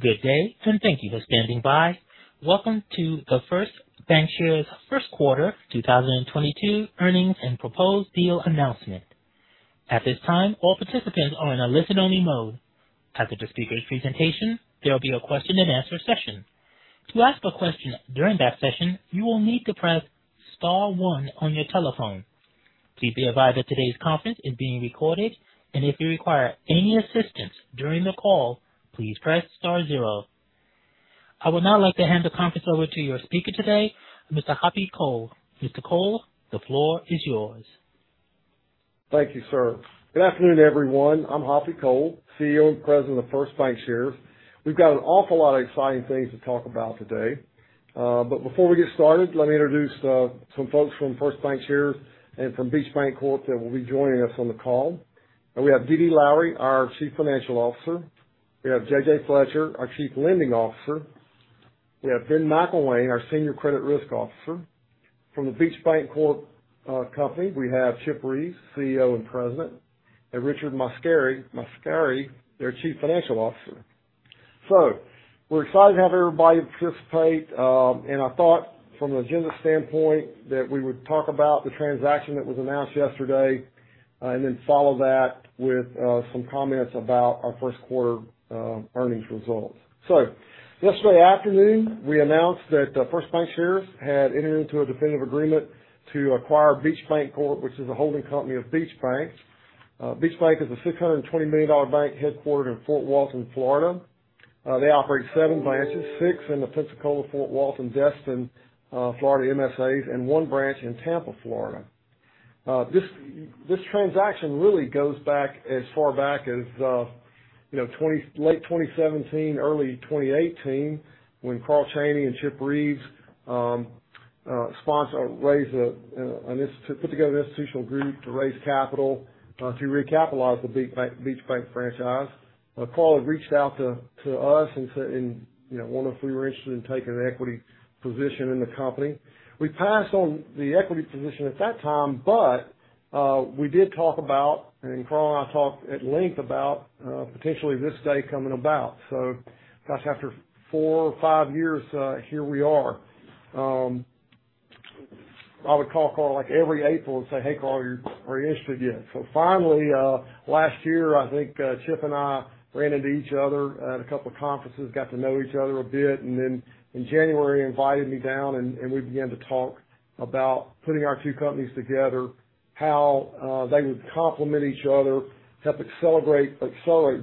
Good day, and thank you for standing by. Welcome to The First Bancshares first quarter 2022 earnings and proposed deal announcement. At this time, all participants are in a listen-only mode. After the speaker's presentation, there'll be a question and answer session. To ask a question during that session, you will need to press star one on your telephone. Please be advised that today's conference is being recorded, and if you require any assistance during the call, please press star zero. I would now like to hand the conference over to your speaker today, Mr. Hoppy Cole. Mr. Cole, the floor is yours. Thank you, sir. Good afternoon, everyone. I'm Hoppy Cole, CEO and President of The First Bancshares, Inc. We've got an awful lot of exciting things to talk about today. Before we get started, let me introduce some folks from The First Bancshares, Inc. and from Beach Bancorp, Inc. that will be joining us on the call. We have DeeDee Lowery, our Chief Financial Officer. We have J.J. Fletcher, our Chief Lending Officer. We have Ben McIIwain, our Senior Credit Risk Officer. From the Beach Bancorp, Inc., we have Chip Reeves, CEO and President, and Richard Mascari, their Chief Financial Officer. We're excited to have everybody participate, and I thought from an agenda standpoint that we would talk about the transaction that was announced yesterday, and then follow that with some comments about our first quarter earnings results. Yesterday afternoon, we announced that The First Bancshares had entered into a definitive agreement to acquire Beach Bancorp, Inc., which is a holding company of Beach Bank. Beach Bank is a $620 million bank headquartered in Fort Walton Beach, Florida. They operate seven branches, six in the Pensacola, Fort Walton Beach, Destin, Florida MSAs, and one branch in Tampa, Florida. This transaction really goes back as far back as, you know, late 2017, early 2018, when Carl Chaney and Chip Reeves raised, put together an institutional group to raise capital, to recapitalize the Beach Bank franchise. Carl had reached out to us and said, you know, wondered if we were interested in taking an equity position in the company. We passed on the equity position at that time, but we did talk about, and Carl and I talked at length about potentially this day coming about. Gosh, after four or five years, here we are. I would call Carl like every April and say, "Hey, Carl, are you interested yet?" Finally, last year, I think, Chip and I ran into each other at a couple of conferences, got to know each other a bit, and then in January, he invited me down and we began to talk about putting our two companies together, how they would complement each other, help accelerate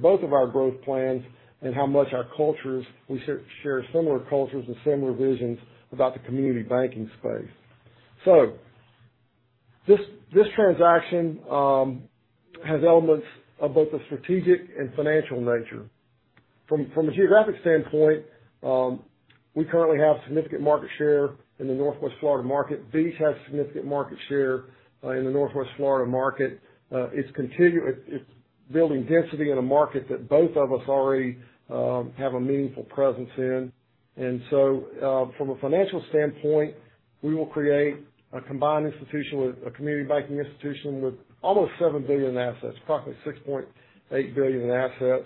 both of our growth plans, and how much our cultures, we share similar cultures and similar visions about the community banking space. This transaction has elements of both a strategic and financial nature. From a geographic standpoint, we currently have significant market share in the Northwest Florida market. Beach has significant market share in the Northwest Florida market. It's building density in a market that both of us already have a meaningful presence in. From a financial standpoint, we will create a combined institution, a community banking institution with almost $7 billion in assets, approximately $6.8 billion in assets.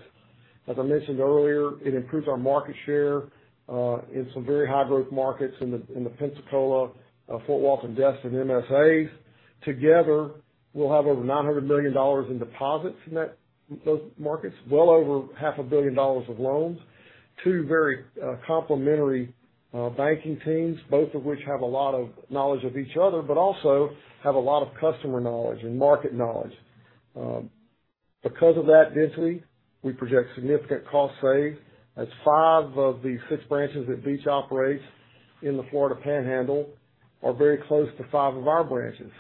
As I mentioned earlier, it improves our market share in some very high growth markets in the Pensacola, Fort Walton Beach-Destin MSAs. Together, we'll have over $900 million in deposits from those markets, well over $500 million of loans, two very complementary banking teams, both of which have a lot of knowledge of each other, but also have a lot of customer knowledge and market knowledge. Because of that density, we project significant cost savings, as five of the six branches that Beach operates in the Florida Panhandle are very close to five of our branches.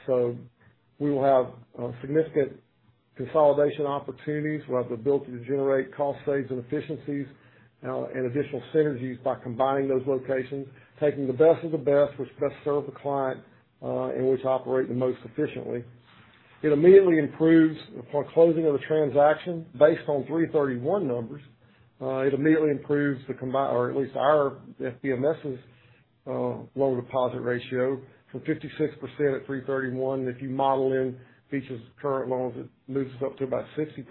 We will have significant consolidation opportunities. We'll have the ability to generate cost savings and efficiencies, and additional synergies by combining those locations, taking the best of the best, which best serve the client, and which operate the most efficiently. It immediately improves, upon closing of the transaction, based on 3/31 numbers, the combined or at least our FBMS's loan-to-deposit ratio from 56% at 3/31. If you model in Beach's current loans, it moves us up to about 60%.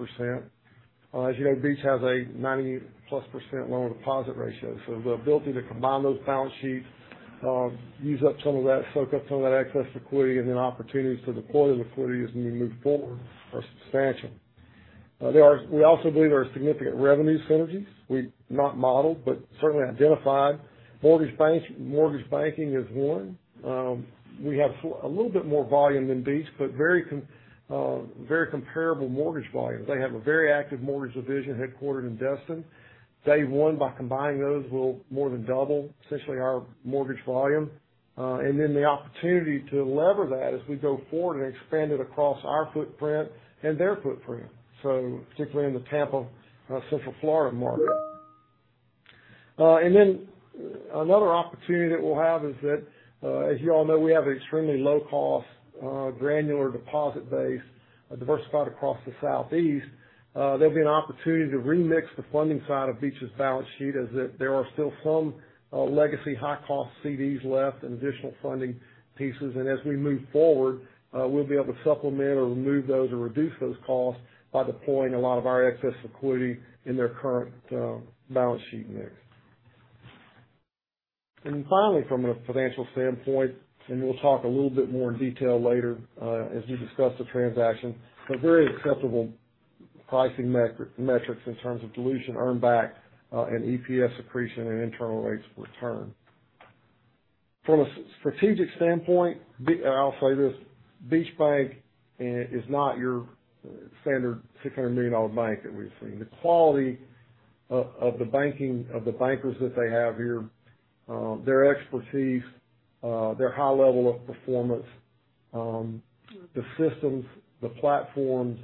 As you know, Beach has a 90%+ loan-to-deposit ratio. The ability to combine those balance sheets, use up some of that, soak up some of that excess liquidity and then opportunities to deploy the liquidity as we move forward are substantial. We also believe there are significant revenue synergies. We've not modeled, but certainly identified. Mortgage banking is one. We have a little bit more volume than Beach, but very comparable mortgage volumes. They have a very active mortgage division headquartered in Destin. Day one, by combining those, we'll more than double essentially our mortgage volume. The opportunity to lever that as we go forward and expand it across our footprint and their footprint, so particularly in the Tampa, Central Florida market. Another opportunity that we'll have is that, as you all know, we have an extremely low cost, granular deposit base, diversified across the southeast. There'll be an opportunity to remix the funding side of Beach's balance sheet as that there are still some, legacy high cost CDs left and additional funding pieces. As we move forward, we'll be able to supplement or remove those or reduce those costs by deploying a lot of our excess liquidity in their current balance sheet mix. Finally, from a financial standpoint, we'll talk a little bit more in detail later as we discuss the transaction, a very acceptable pricing metrics in terms of dilution earn back, and EPS accretion and internal rates of return. From a strategic standpoint, and I'll say this, Beach Bank is not your standard $600 million bank that we've seen. The quality of the banking, of the bankers that they have here, their expertise, their high level of performance, the systems, the platforms,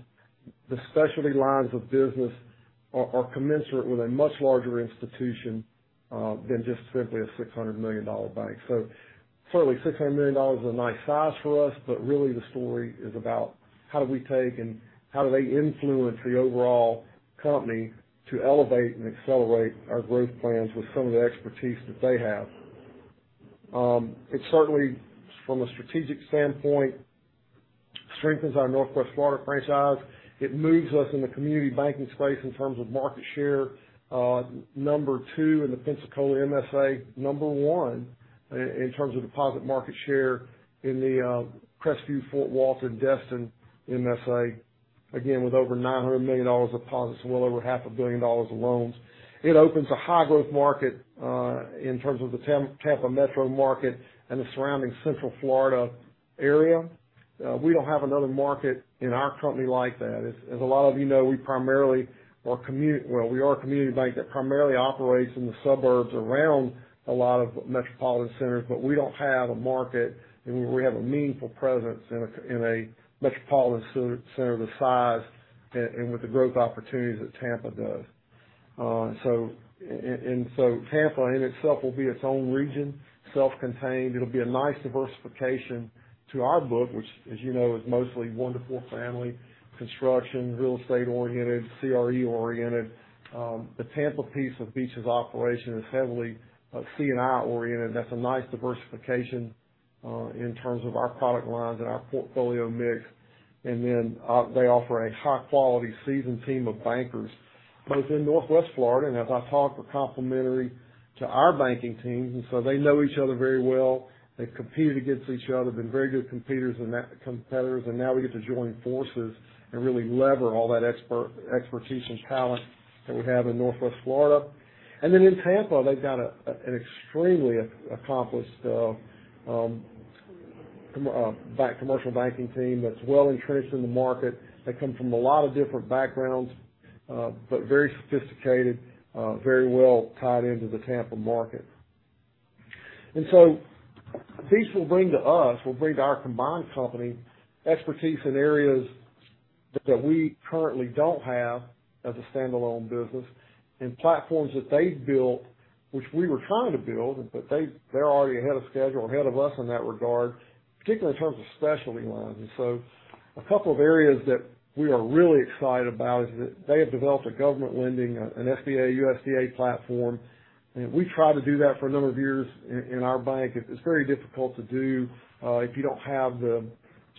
the specialty lines of business are commensurate with a much larger institution than just simply a $600 million bank. Certainly $600 million is a nice size for us, but really the story is about how do we take and how do they influence the overall company to elevate and accelerate our growth plans with some of the expertise that they have. It certainly, from a strategic standpoint, strengthens our Northwest Florida franchise. It moves us in the community banking space in terms of market share, No. 2 in the Pensacola MSA, No. 1 in terms of deposit market share in the Crestview-Fort Walton-Destin MSA, again, with over $900 million of deposits and well over $ half a billion dollars of loans. It opens a high-growth market in terms of the Tampa metro market and the surrounding Central Florida area. We don't have another market in our company like that. As a lot of you know, well, we are a community bank that primarily operates in the suburbs around a lot of metropolitan centers, but we don't have a market where we have a meaningful presence in a metropolitan center of the size and with the growth opportunities that Tampa does. Tampa in itself will be its own region, self-contained. It'll be a nice diversification to our book, which as you know, is mostly one-to-four family construction, real estate-oriented, CRE-oriented. The Tampa piece of Beach's operation is heavily C&I-oriented. That's a nice diversification in terms of our product lines and our portfolio mix. They offer a high-quality seasoned team of bankers, both in Northwest Florida, and as I talked, we're complementary to our banking teams, and so they know each other very well. They've competed against each other, been very good competitors, and now we get to join forces and really leverage all that expertise and talent that we have in Northwest Florida. In Tampa, they've got an extremely accomplished commercial banking team that's well-entrenched in the market. They come from a lot of different backgrounds, but very sophisticated, very well tied into the Tampa market. Beach will bring to our combined company expertise in areas that we currently don't have as a standalone business and platforms that they've built, which we were trying to build, but they're already ahead of schedule and ahead of us in that regard, particularly in terms of specialty lines. A couple of areas that we are really excited about is that they have developed a government lending, an SBA, USDA platform. We tried to do that for a number of years in our bank. It's very difficult to do if you don't have the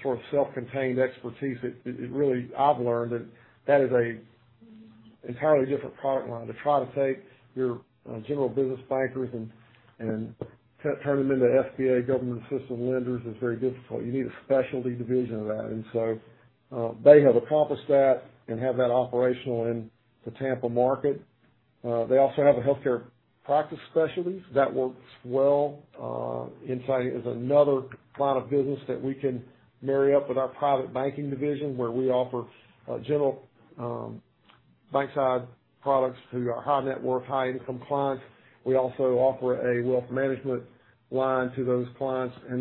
sort of self-contained expertise that really. I've learned that that is a entirely different product line to try to take your general business bankers and turn them into SBA government-assisted lenders is very difficult. You need a specialty division of that. They have accomplished that and have that operational in the Tampa market. They also have a healthcare practice specialty that works well in finding us another line of business that we can marry up with our private banking division, where we offer general bank-side products to our high-net-worth, high-income clients. We also offer a wealth management line to those clients. This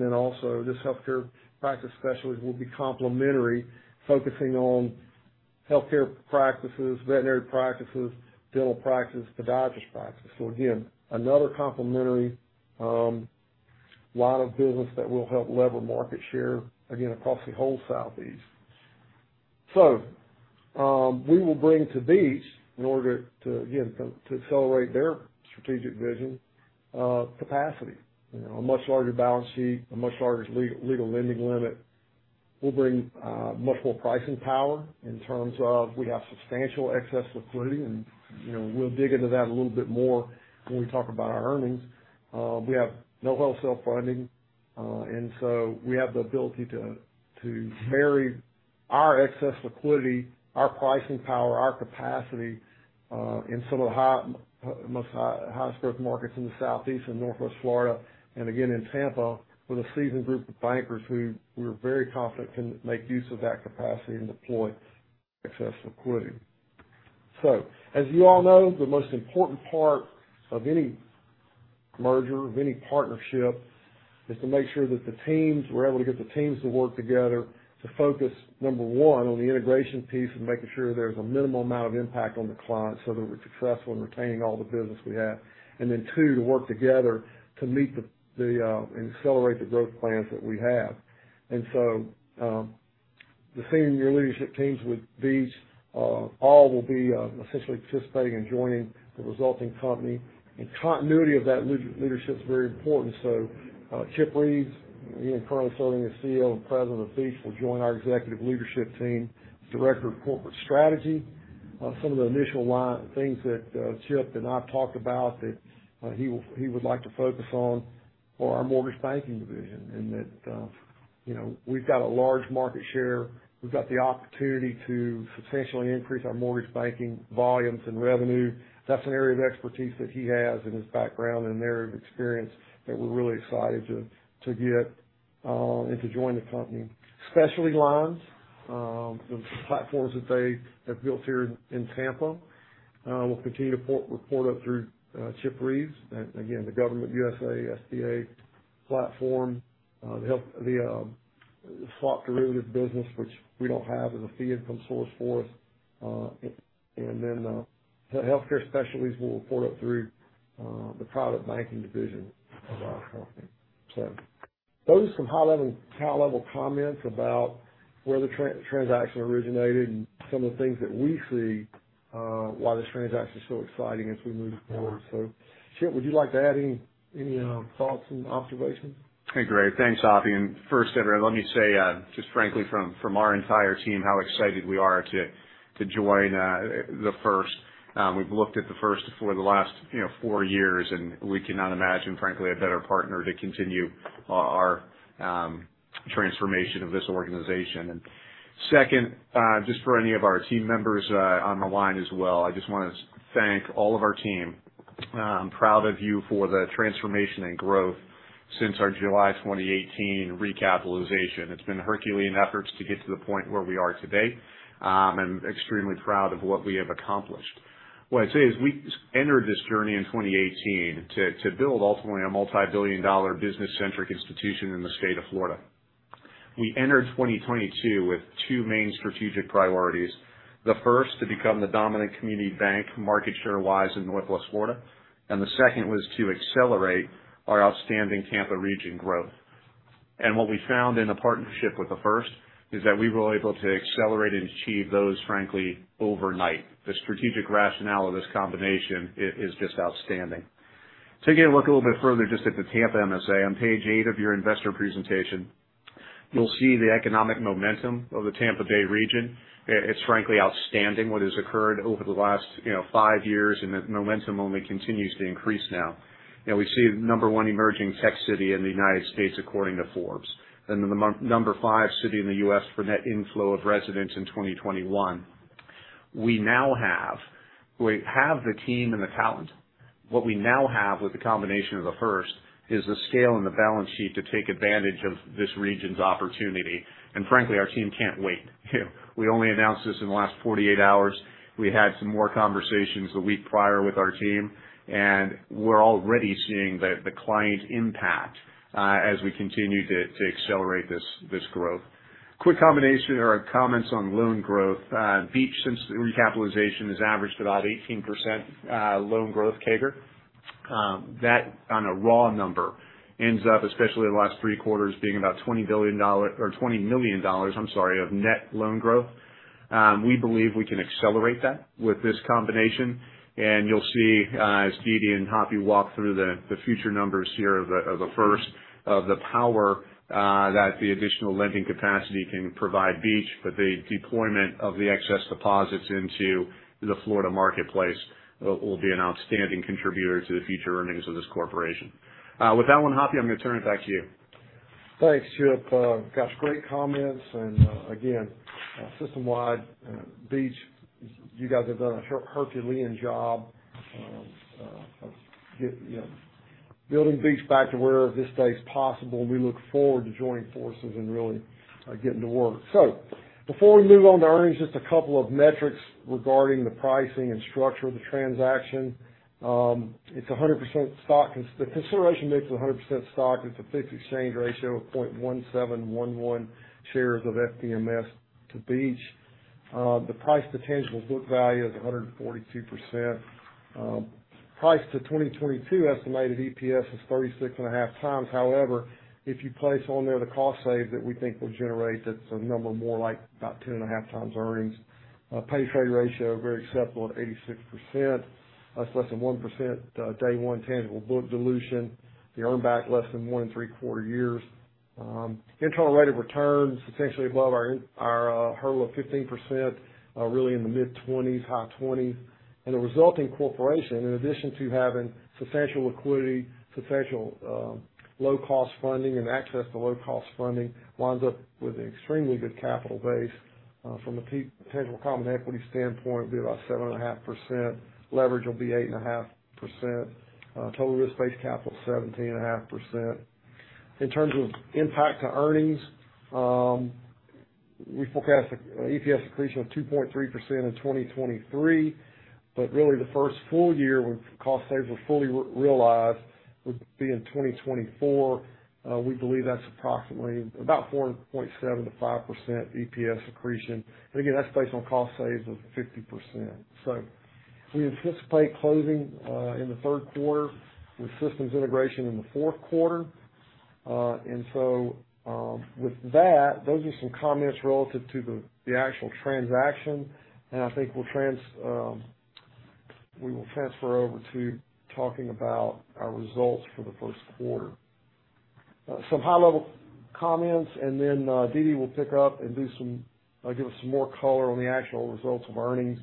healthcare practice specialty will be complementary, focusing on healthcare practices, veterinary practices, dental practices, podiatrist practices. Another complementary line of business that will help leverage market share, again, across the whole Southeast. We will bring to Beach in order to accelerate their strategic vision, capacity. You know, a much larger balance sheet, a much larger legal lending limit. We'll bring much more pricing power in terms of we have substantial excess liquidity and, you know, we'll dig into that a little bit more when we talk about our earnings. We have no wholesale funding, and so we have the ability to marry our excess liquidity, our pricing power, our capacity, in some of the highest growth markets in the Southeast and Northwest Florida, and again in Tampa, with a seasoned group of bankers who we're very confident can make use of that capacity and deploy excess liquidity. As you all know, the most important part of any merger, of any partnership is to make sure we're able to get the teams to work together to focus, number one, on the integration piece and making sure there's a minimal amount of impact on the clients so that we're successful in retaining all the business we have. Then two, to work together to meet and accelerate the growth plans that we have. The senior leadership teams with Beach all will be essentially participating and joining the resulting company. Continuity of that leadership is very important. Chip Reeves, he is currently serving as CEO and president of Beach, will join our executive leadership team as director of corporate strategy. Some of the initial things that Chip and I've talked about that he would like to focus on for our mortgage banking division and that you know we've got a large market share. We've got the opportunity to substantially increase our mortgage banking volumes and revenue. That's an area of expertise that he has in his background and area of experience that we're really excited to get and to join the company. Specialty lines, the platforms that they have built here in Tampa, will continue to report up through Chip Reeves. Again, the U.S. government SBA platform, the swap derivatives business, which we don't have as a fee income source for us. And then, the healthcare specialties will report up through the private banking division of our company. Those are some high-level comments about where the transaction originated and some of the things that we see why this transaction is so exciting as we move forward. Chip, would you like to add any thoughts and observations? Hey, Greg. Thanks, Hoppy. First, let me say just frankly from our entire team how excited we are to join the First. We've looked at the First for the last four years, and we cannot imagine frankly a better partner to continue our transformation of this organization. Second, just for any of our team members on the line as well, I just wanna thank all of our team. I'm proud of you for the transformation and growth since our July 2018 recapitalization. It's been Herculean efforts to get to the point where we are today, and extremely proud of what we have accomplished. What I'd say is we entered this journey in 2018 to build ultimately a multi-billion dollar business-centric institution in the state of Florida. We entered 2022 with two main strategic priorities. The first, to become the dominant community bank, market share-wise in Northwest Florida, and the second was to accelerate our outstanding Tampa region growth. What we found in the partnership with the First is that we were able to accelerate and achieve those, frankly, overnight. The strategic rationale of this combination is just outstanding. To get a look a little bit further just at the Tampa MSA, on page eight of your investor presentation, you'll see the economic momentum of the Tampa Bay region. It's frankly outstanding what has occurred over the last, you know, five years, and the momentum only continues to increase now. You know, we see the number one emerging tech city in the United States according to Forbes, and the number five city in the U.S. for net inflow of residents in 2021. We have the team and the talent. What we now have with the combination of The First is the scale and the balance sheet to take advantage of this region's opportunity. Frankly, our team can't wait. We only announced this in the last 48 hours. We had some more conversations the week prior with our team, and we're already seeing the client impact as we continue to accelerate this growth. Quick comments on loan growth. Beach since the recapitalization has averaged about 18% loan growth CAGR. That on a raw number ends up, especially the last three quarters, being about $20 million, I'm sorry, of net loan growth. We believe we can accelerate that with this combination. You'll see, as Dee Dee and Hoppy walk through the future numbers here of the power that the additional lending capacity can provide Beach with the deployment of the excess deposits into the Florida marketplace, will be an outstanding contributor to the future earnings of this corporation. With that one, Hoppy, I'm gonna turn it back to you. Thanks, Chip. Gosh, great comments. Again, system-wide, Beach, you guys have done a Herculean job, you know, building Beach back to where it is today is possible. We look forward to joining forces and really getting to work. Before we move on to earnings, just a couple of metrics regarding the pricing and structure of the transaction. It's 100% stock. The consideration mix is 100% stock. It's a fixed exchange ratio of 0.1711 shares of FBMS to Beach. The price to tangible book value is 142%. Price to 2022 estimated EPS is 36.5 times. However, if you place on there the cost savings that we think will generate, that's a number more like about 10.5 times earnings. P/TB ratio, very acceptable at 86%. That's less than 1%, day one tangible book dilution. The earnback less than one and three-quarter years. Internal rate of return, substantially above our hurdle of 15%, really in the mid-20s, high 20s. The resulting corporation, in addition to having substantial liquidity, substantial low-cost funding and access to low-cost funding, winds up with an extremely good capital base, from a potential common equity standpoint, be about 7.5%. Leverage will be 8.5%. Total risk-based capital, 17.5%. In terms of impact to earnings, we forecast an EPS accretion of 2.3% in 2023, but really the first full year when cost savings are fully realized would be in 2024. We believe that's approximately about 4.7%-5% EPS accretion. Again, that's based on cost savings of 50%. We anticipate closing in the third quarter with systems integration in the fourth quarter. With that, those are some comments relative to the actual transaction. I think we will transfer over to talking about our results for the first quarter. Some high-level comments and then Dee Dee will pick up and give us some more color on the actual results of earnings.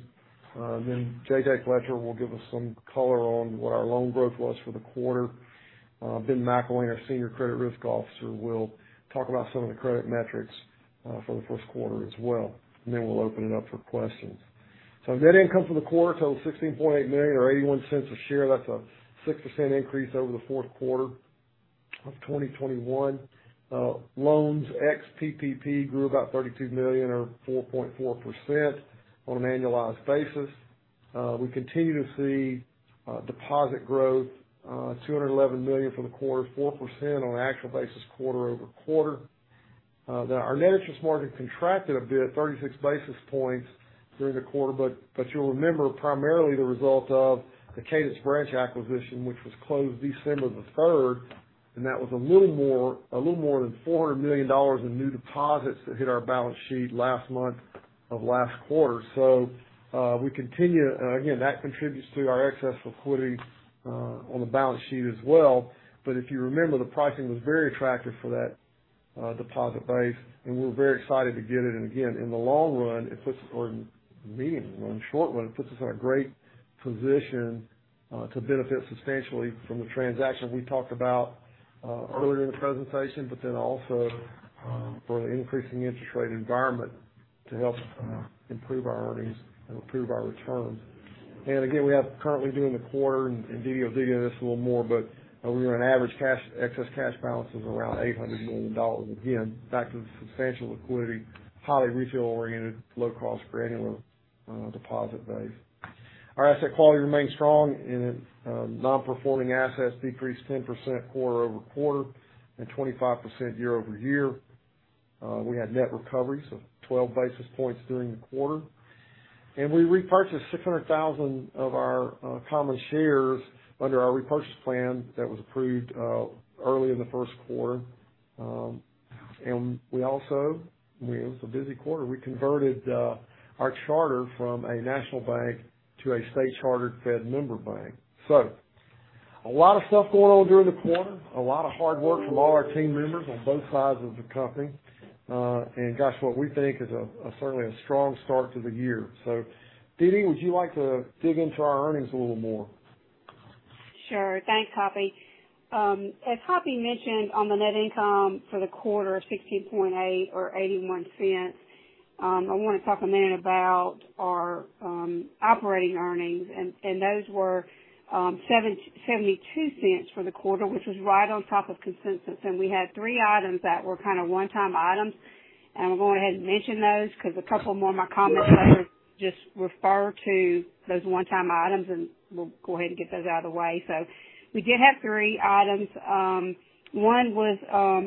J.J. Fletcher will give us some color on what our loan growth was for the quarter. Ben McIIwain, our Senior Credit Risk Officer, will talk about some of the credit metrics for the first quarter as well, and then we'll open it up for questions. Net income for the quarter totaled $16.8 million, or $0.81 a share. That's a 6% increase over the fourth quarter of 2021. Loans ex PPP grew about $32 million, or 4.4% on an annualized basis. We continue to see deposit growth, $211 million for the quarter, 4% on an actual basis quarter-over-quarter. Now, our net interest margin contracted a bit, 36 basis points during the quarter, but you'll remember primarily the result of the Cadence branch acquisition, which was closed December the third, and that was a little more than $400 million in new deposits that hit our balance sheet last month of last quarter. Again, that contributes to our excess liquidity on the balance sheet as well. If you remember, the pricing was very attractive for that deposit base, and we're very excited to get it. Again, in the long run or medium run, short run, it puts us in a great position to benefit substantially from the transaction we talked about earlier in the presentation, but then also for an increasing interest rate environment to help improve our earnings and improve our returns. Again, we have currently during the quarter, and Dee Dee will dig into this a little more, but we run average excess cash balances of around $800 million. Again, back to the substantial liquidity, highly retail-oriented, low cost for any deposit base. Our asset quality remains strong, and non-performing assets decreased 10% quarter-over-quarter and 25% year-over-year. We had net recovery, so 12 basis points during the quarter. We repurchased 600,000 of our common shares under our repurchase plan that was approved early in the first quarter. We also, I mean, it was a busy quarter, we converted our charter from a national bank to a state-chartered Fed member bank. A lot of stuff going on during the quarter, a lot of hard work from all our team members on both sides of the company. Gosh, what we think is a certainly strong start to the year. Dee Dee, would you like to dig into our earnings a little more? Sure. Thanks, Hoppy. As Hoppy mentioned on the net income for the quarter, 16.8 or $0.81, I wanna talk a minute about our operating earnings. Those were $0.72 for the quarter, which was right on top of consensus. We had three items that were kinda one-time items. We'll go ahead and mention those because a couple more of my comments just refer to those one-time items, and we'll go ahead and get those out of the way. We did have three items. One was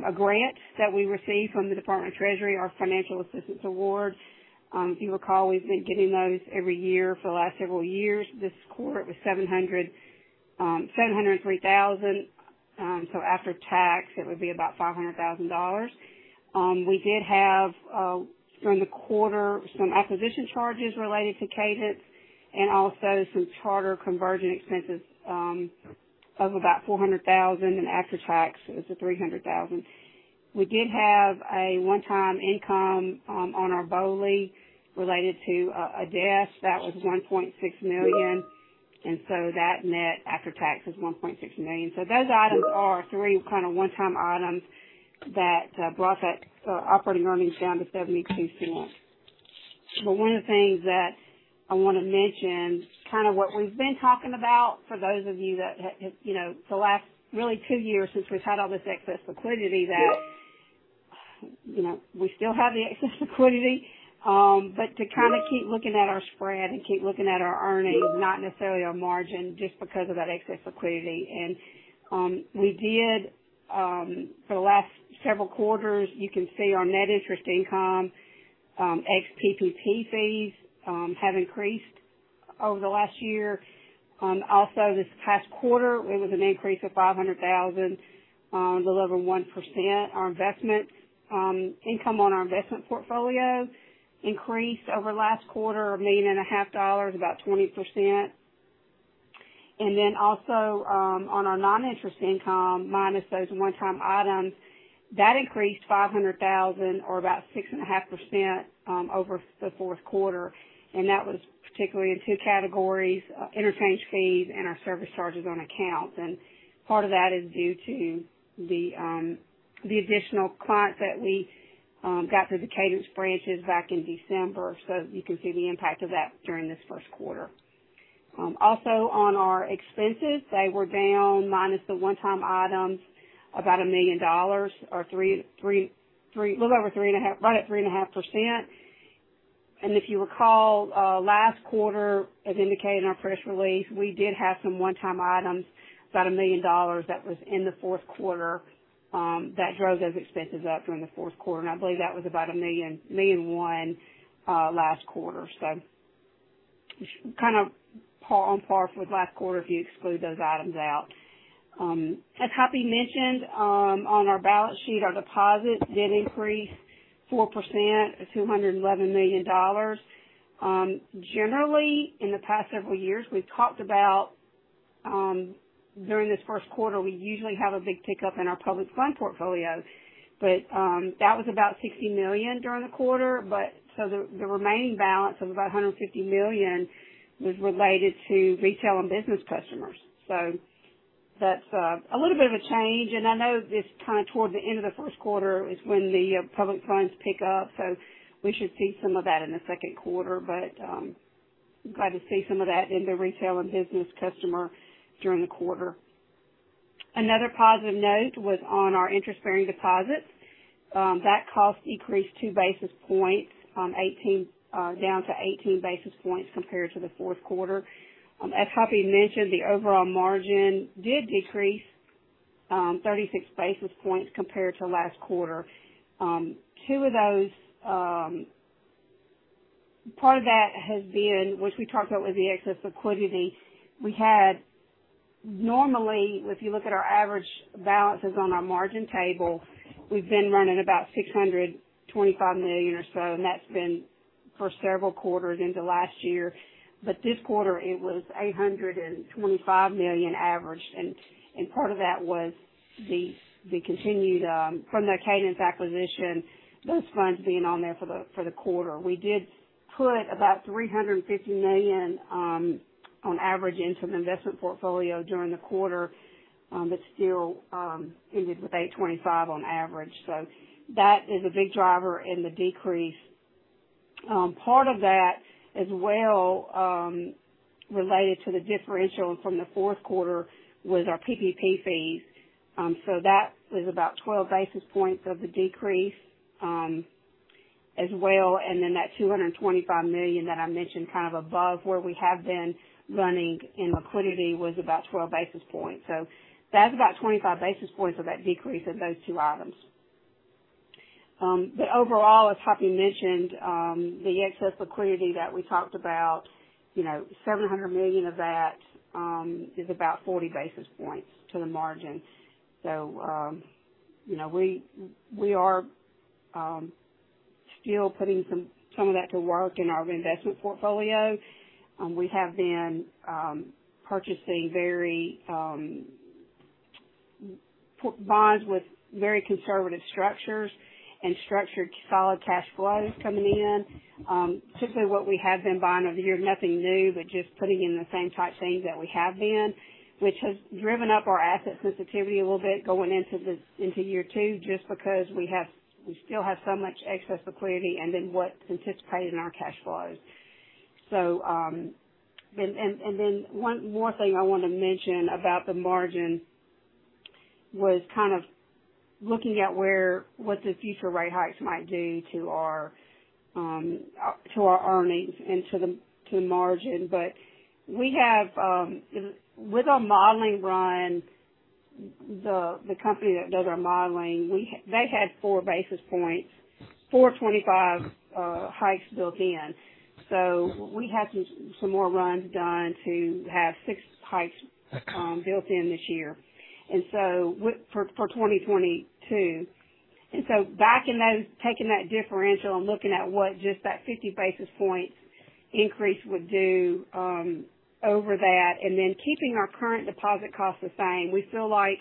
a grant that we received from the U.S. Department of the Treasury, our Financial Assistance Award. If you recall, we've been getting those every year for the last several years. This quarter it was $703 thousand. After tax, it would be about $500,000. We did have, during the quarter, some acquisition charges related to Cadence and also some charter conversion expenses, of about $400,000. After tax, it was at $300,000. We did have a one-time income, on our BOLI related to a death that was $1.6 million, and so that net after tax was $1.6 million. Those items are three kinda one-time items that brought that operating earnings down to $0.72. One of the things that I wanna mention, kinda what we've been talking about for those of you that have, you know, for the last really 2 years since we've had all this excess liquidity that, you know, we still have the excess liquidity, but to kinda keep looking at our spread and keep looking at our earnings, not necessarily our margin just because of that excess liquidity. We did, for the last several quarters, you can see our net interest income, ex PPP fees, have increased over the last year. Also this past quarter, it was an increase of $500,000, a little over 1%. Our investments, income on our investment portfolio increased over last quarter, $1.5 million, about 20%. Then also, on our non-interest income, minus those one-time items, that increased $500,000 or about 6.5% over the fourth quarter. That was particularly in two categories, interchange fees and our service charges on accounts. Part of that is due to the additional clients that we got through the Cadence branches back in December. You can see the impact of that during this first quarter. Also on our expenses, they were down minus the one-time items, about $1 million or 3.3%, a little over 3.5%, right at 3.5%. If you recall, last quarter, as indicated in our press release, we did have some one-time items, about $1 million that was in the fourth quarter, that drove those expenses up during the fourth quarter. I believe that was about $1.1 million last quarter. Kind of on par with last quarter if you exclude those items out. As Hoppy mentioned, on our balance sheet, our deposits did increase 4% to $211 million. Generally, in the past several years, we've talked about, during this first quarter, we usually have a big pickup in our public fund portfolio, but that was about $60 million during the quarter. The remaining balance of about $150 million was related to retail and business customers. That's a little bit of a change. I know it's kinda toward the end of the first quarter is when the public funds pick up, so we should see some of that in the second quarter. Glad to see some of that in the retail and business customer during the quarter. Another positive note was on our interest-bearing deposits. That cost decreased 2 basis points down to 18 basis points compared to the fourth quarter. As Hoppy mentioned, the overall margin did decrease 36 basis points compared to last quarter. 2 of those, part of that has been, which we talked about with the excess liquidity we had. Normally, if you look at our average balances on our margin table, we've been running about $625 million or so, and that's been for several quarters into last year. This quarter, it was $825 million average. Part of that was the continued from the Cadence acquisition, those funds being on there for the quarter. We did put about $350 million on average into the investment portfolio during the quarter, but still ended with $825 on average. That is a big driver in the decrease. Part of that as well related to the differential from the fourth quarter was our PPP fees. That was about 12 basis points of the decrease, as well. That $225 million that I mentioned kind of above where we have been running in liquidity was about 12 basis points. That's about 25 basis points of that decrease of those two items. Overall, as Hoppy mentioned, the excess liquidity that we talked about, you know, $700 million of that, is about 40 basis points to the margin. You know, we are still putting some of that to work in our investment portfolio. We have been purchasing very bonds with very conservative structures and structured solid cash flows coming in. Typically what we have been buying over the years, nothing new, but just putting in the same type things that we have been, which has driven up our asset sensitivity a little bit going into year 2 just because we still have so much excess liquidity and then what's anticipated in our cash flows. One more thing I want to mention about the margin was kind of looking at what the future rate hikes might do to our earnings and to the margin. We have, with our modeling run, the company that does our modeling, they had 4 25 basis point hikes built in. We had some more runs done to have 6 hikes. Okay. Built in this year. For 2022. Backing those, taking that differential and looking at what just that 50 basis points increase would do, over that, and then keeping our current deposit costs the same, we feel like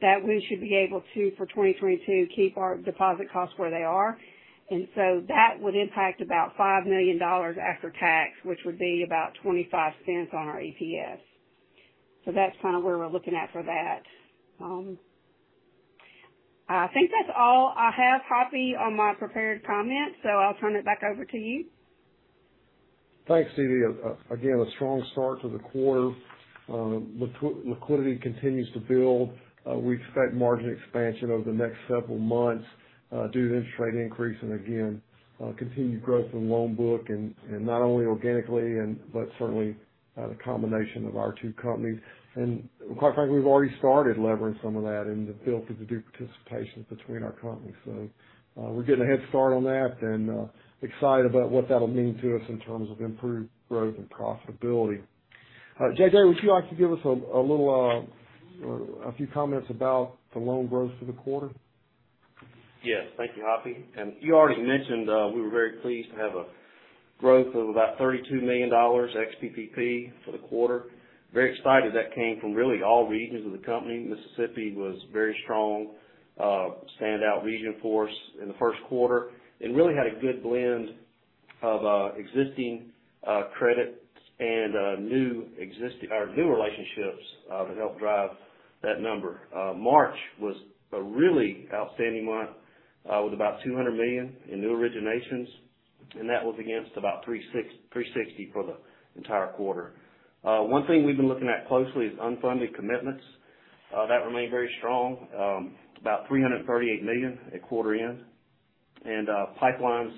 that we should be able to, for 2022, keep our deposit costs where they are. That would impact about $5 million after tax, which would be about $0.25 on our EPS. That's kind of where we're looking at for that. I think that's all I have, Hoppy, on my prepared comments, so I'll turn it back over to you. Thanks, DeeDee. Again, a strong start to the quarter. Liquidity continues to build. We expect margin expansion over the next several months due to the interest rate increase and again, continued growth in the loan book and not only organically, but certainly the combination of our two companies. Quite frankly, we've already started leveraging some of that in the fees from the loan participation between our companies. We're getting a head start on that and excited about what that'll mean to us in terms of improved growth and profitability. JJ, would you like to give us a few comments about the loan growth for the quarter? Yes. Thank you, Hoppy. You already mentioned we were very pleased to have a growth of about $32 million ex-PPP for the quarter. Very excited that came from really all regions of the company. Mississippi was very strong, standout region for us in the first quarter, and really had a good blend of existing credits and new relationships that helped drive that number. March was a really outstanding month with about $200 million in new originations, and that was against about 360 for the entire quarter. One thing we've been looking at closely is unfunded commitments. That remained very strong, about $338 million at quarter end. Pipelines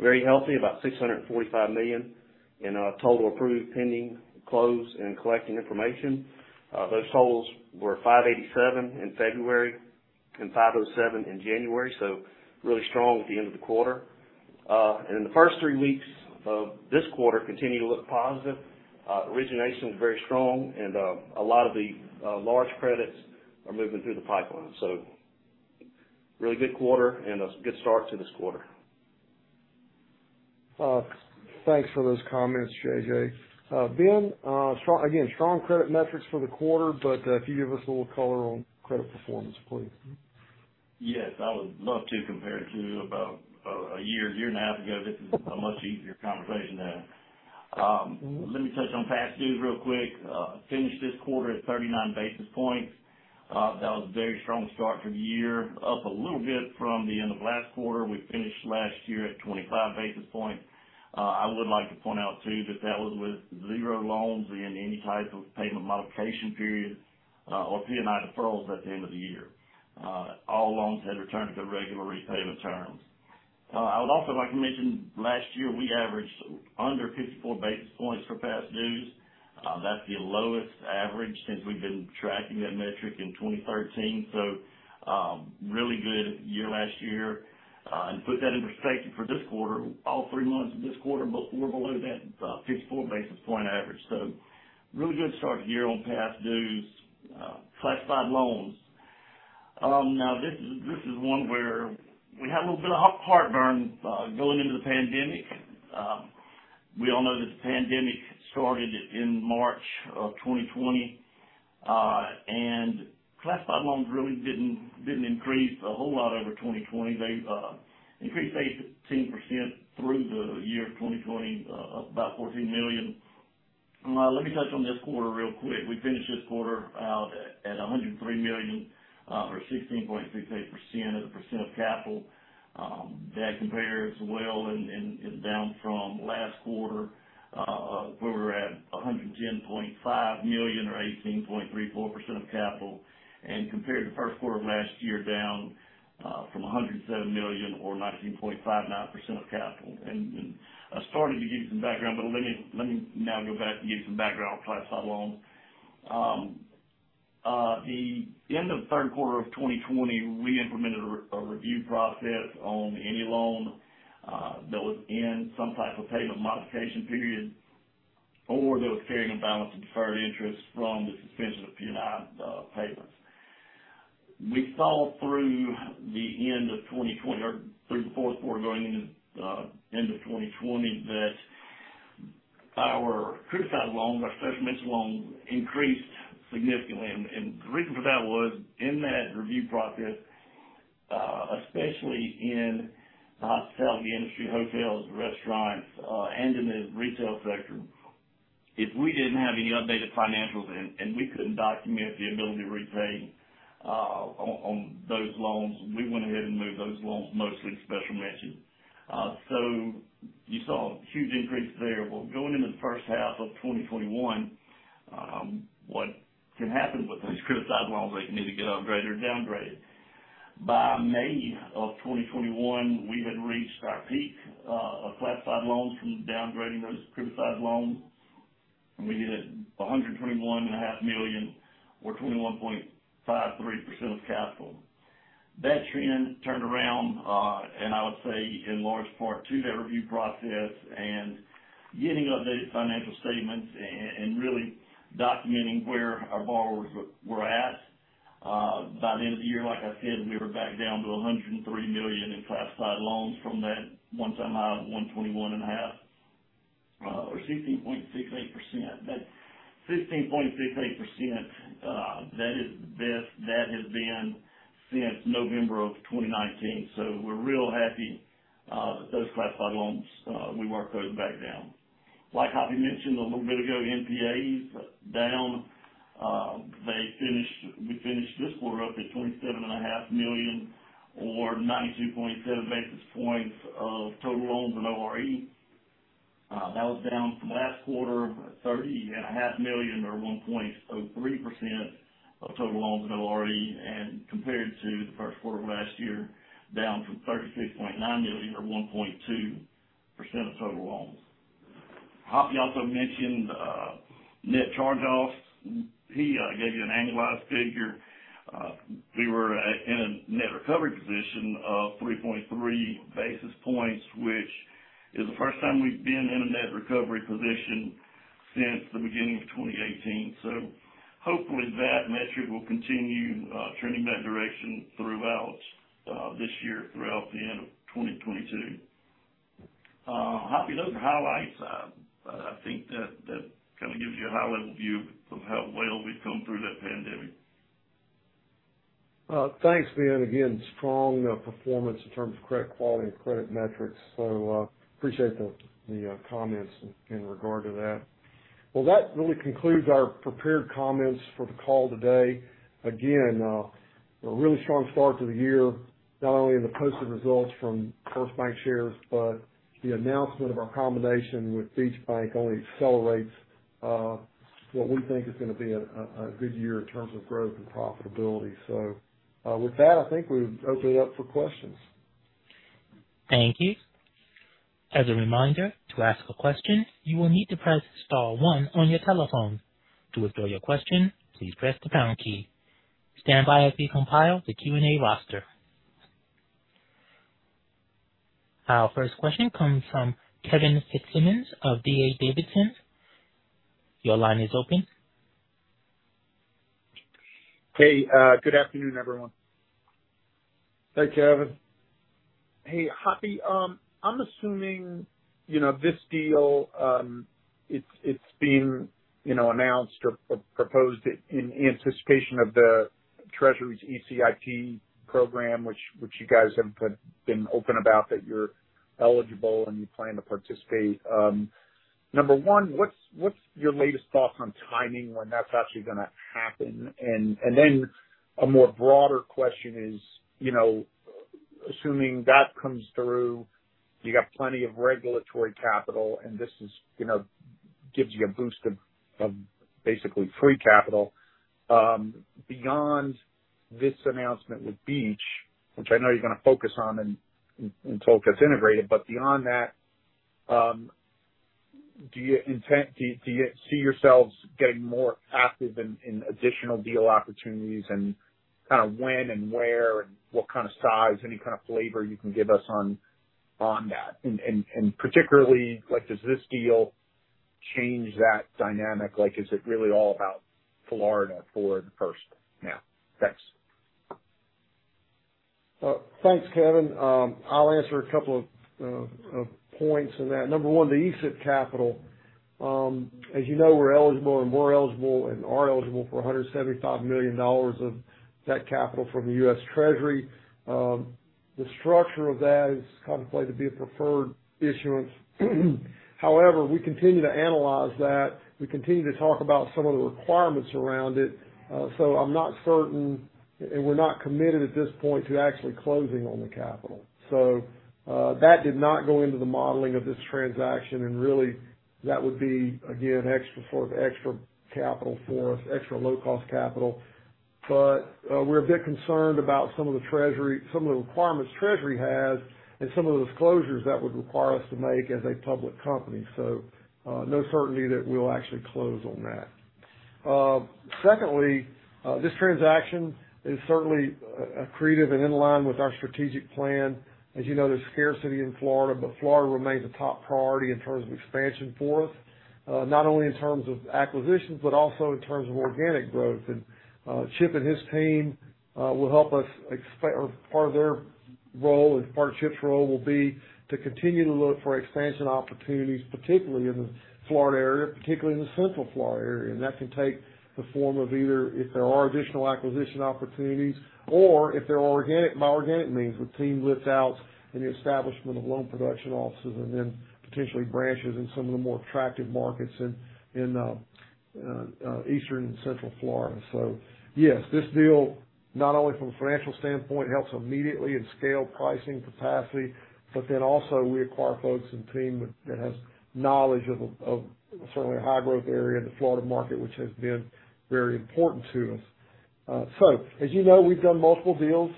very healthy, about $645 million in total approved, pending close and collecting information. Those totals were $587 in February and $507 in January, so really strong at the end of the quarter, and in the first three weeks of this quarter continue to look positive. Origination was very strong and a lot of the large credits are moving through the pipeline. Really good quarter and a good start to this quarter. Thanks for those comments, JJ, Ben, again, strong credit metrics for the quarter, but, if you give us a little color on credit performance, please. Yes, I would love to compare to about a year and a half ago. This is a much easier conversation now. Let me touch on past dues real quick. Finished this quarter at 39 basis points. That was a very strong start to the year, up a little bit from the end of last quarter. We finished last year at 25 basis points. I would like to point out, too, that that was with 0 loans in any type of payment modification period or P&I deferrals at the end of the year. All loans had returned to the regular repayment terms. I would also like to mention last year we averaged under 54 basis points for past dues. That's the lowest average since we've been tracking that metric in 2013. Really good year last year, and put that into perspective for this quarter, all three months of this quarter, we're below that 54 basis point average. Really good start here on past dues. Classified loans. Now this is one where we had a little bit of heartburn going into the pandemic. We all know that the pandemic started in March 2020, and classified loans really didn't increase a whole lot over 2020. They increased 18% through the year of 2020 to about $14 million. Let me touch on this quarter real quick. We finished this quarter at $103 million, or 16.68% of capital. That compares well and is down from last quarter, where we were at $110.5 million or 18.34% of capital. Compared to first quarter of last year, down from $107 million or 19.59% of capital. I started to give you some background, but let me now go back and give you some background on classified loans. The end of third quarter of 2020, we implemented a review process on any loan that was in some type of payment modification period or that was carrying a balance of deferred interest from the suspension of P&I payments. We saw through the end of 2020 or through the fourth quarter going into end of 2020 that our criticized loans, our special mention loans increased significantly. The reason for that was in that review process, especially in the hospitality industry, hotels, restaurants, and in the retail sector, if we didn't have any updated financials and we couldn't document the ability to repay on those loans, we went ahead and moved those loans mostly to special mention. You saw a huge increase there. Going into the first half of 2021, what can happen with these criticized loans, they can either get upgraded or downgraded. By May of 2021, we had reached our peak of classified loans from downgrading those criticized loans, and we did it $121.5 million or 21.53% of capital. That trend turned around, and I would say in large part to that review process and getting updated financial statements and really documenting where our borrowers were at. By the end of the year, like I said, we were back down to $103 million in classified loans from that one-time high $121.5, or 16.68%. That 16.68%, that is the best that has been since November of 2019. We're real happy that those classified loans we worked those back down. Like Hoppy mentioned a little bit ago, NPAs down, we finished this quarter up at $27.5 million or 92.7 basis points of total loans in ORE. That was down from last quarter, $30.5 million or 1.03% of total loans in ORE. Compared to the first quarter of last year, down from $36.9 million or 1.2% of total loans. Hoppy also mentioned net charge-offs. He gave you an annualized figure. We were in a net recovery position of 3.3 basis points, which is the first time we've been in a net recovery position since the beginning of 2018. Hopefully, that metric will continue trending that direction throughout this year, throughout the end of 2022. Hoppy, those are highlights. I think that kinda gives you a high-level view of how well we've come through that pandemic. Well, thanks, Ben. Again, strong performance in terms of credit quality and credit metrics. Appreciate the comments in regard to that. Well, that really concludes our prepared comments for the call today. Again, a really strong start to the year, not only in the posted results from The First Bancshares, but the announcement of our combination with Beach Bank only accelerates what we think is gonna be a good year in terms of growth and profitability. With that, I think we open it up for questions. Thank you. As a reminder, to ask a question, you will need to press star one on your telephone. To withdraw your question, please press the pound key. Stand by as we compile the Q&A roster. Our first question comes from Kevin Fitzsimmons of D.A. Davidson. Your line is open. Hey, good afternoon, everyone. Thank you, Kevin. Hey, Hoppy. I'm assuming, you know, this deal, it's been, you know, announced or proposed in anticipation of the Treasury's ECIP program which you guys have been open about, that you're eligible and you plan to participate. Number one, what's your latest thoughts on timing when that's actually gonna happen? Then a more broader question is, you know, assuming that comes through, you got plenty of regulatory capital and this is, you know, gives you a boost of basically free capital. Beyond this announcement with Beach, which I know you're gonna focus on and until it gets integrated, but beyond that, do you see yourselves getting more active in additional deal opportunities and kinda when and where and what kinda size? Any kind of flavor you can give us on that. Particularly, like, does this deal change that dynamic? Like, is it really all about Florida for The First now? Thanks. Thanks, Kevin. I'll answer a couple of points in that. Number one, the ECIP capital. As you know, we're eligible and were eligible and are eligible for $175 million of that capital from the US Treasury. The structure of that is contemplated to be a preferred issuance. However, we continue to analyze that. We continue to talk about some of the requirements around it. I'm not certain, and we're not committed at this point to actually closing on the capital. That did not go into the modeling of this transaction, and really that would be, again, extra sort of extra capital for us, extra low cost capital. We're a bit concerned about some of the Treasury, some of the requirements Treasury has and some of the disclosures that would require us to make as a public company. No certainty that we'll actually close on that. Secondly, this transaction is certainly accretive and in line with our strategic plan. As you know, there's scarcity in Florida, but Florida remains a top priority in terms of expansion for us, not only in terms of acquisitions but also in terms of organic growth. Chip and his team will help us, or part of their role and part of Chip's role will be to continue to look for expansion opportunities, particularly in the Florida area, particularly in the Central Florida area. That can take the form of either if there are additional acquisition opportunities or if there are organic, by organic means, with team lift outs and the establishment of loan production offices and then potentially branches in some of the more attractive markets in Eastern and Central Florida. Yes, this deal, not only from a financial standpoint, helps immediately in scale pricing capacity, but then also we acquire folks and team that has knowledge of certainly a high growth area in the Florida market, which has been very important to us. As you know, we've done multiple deals.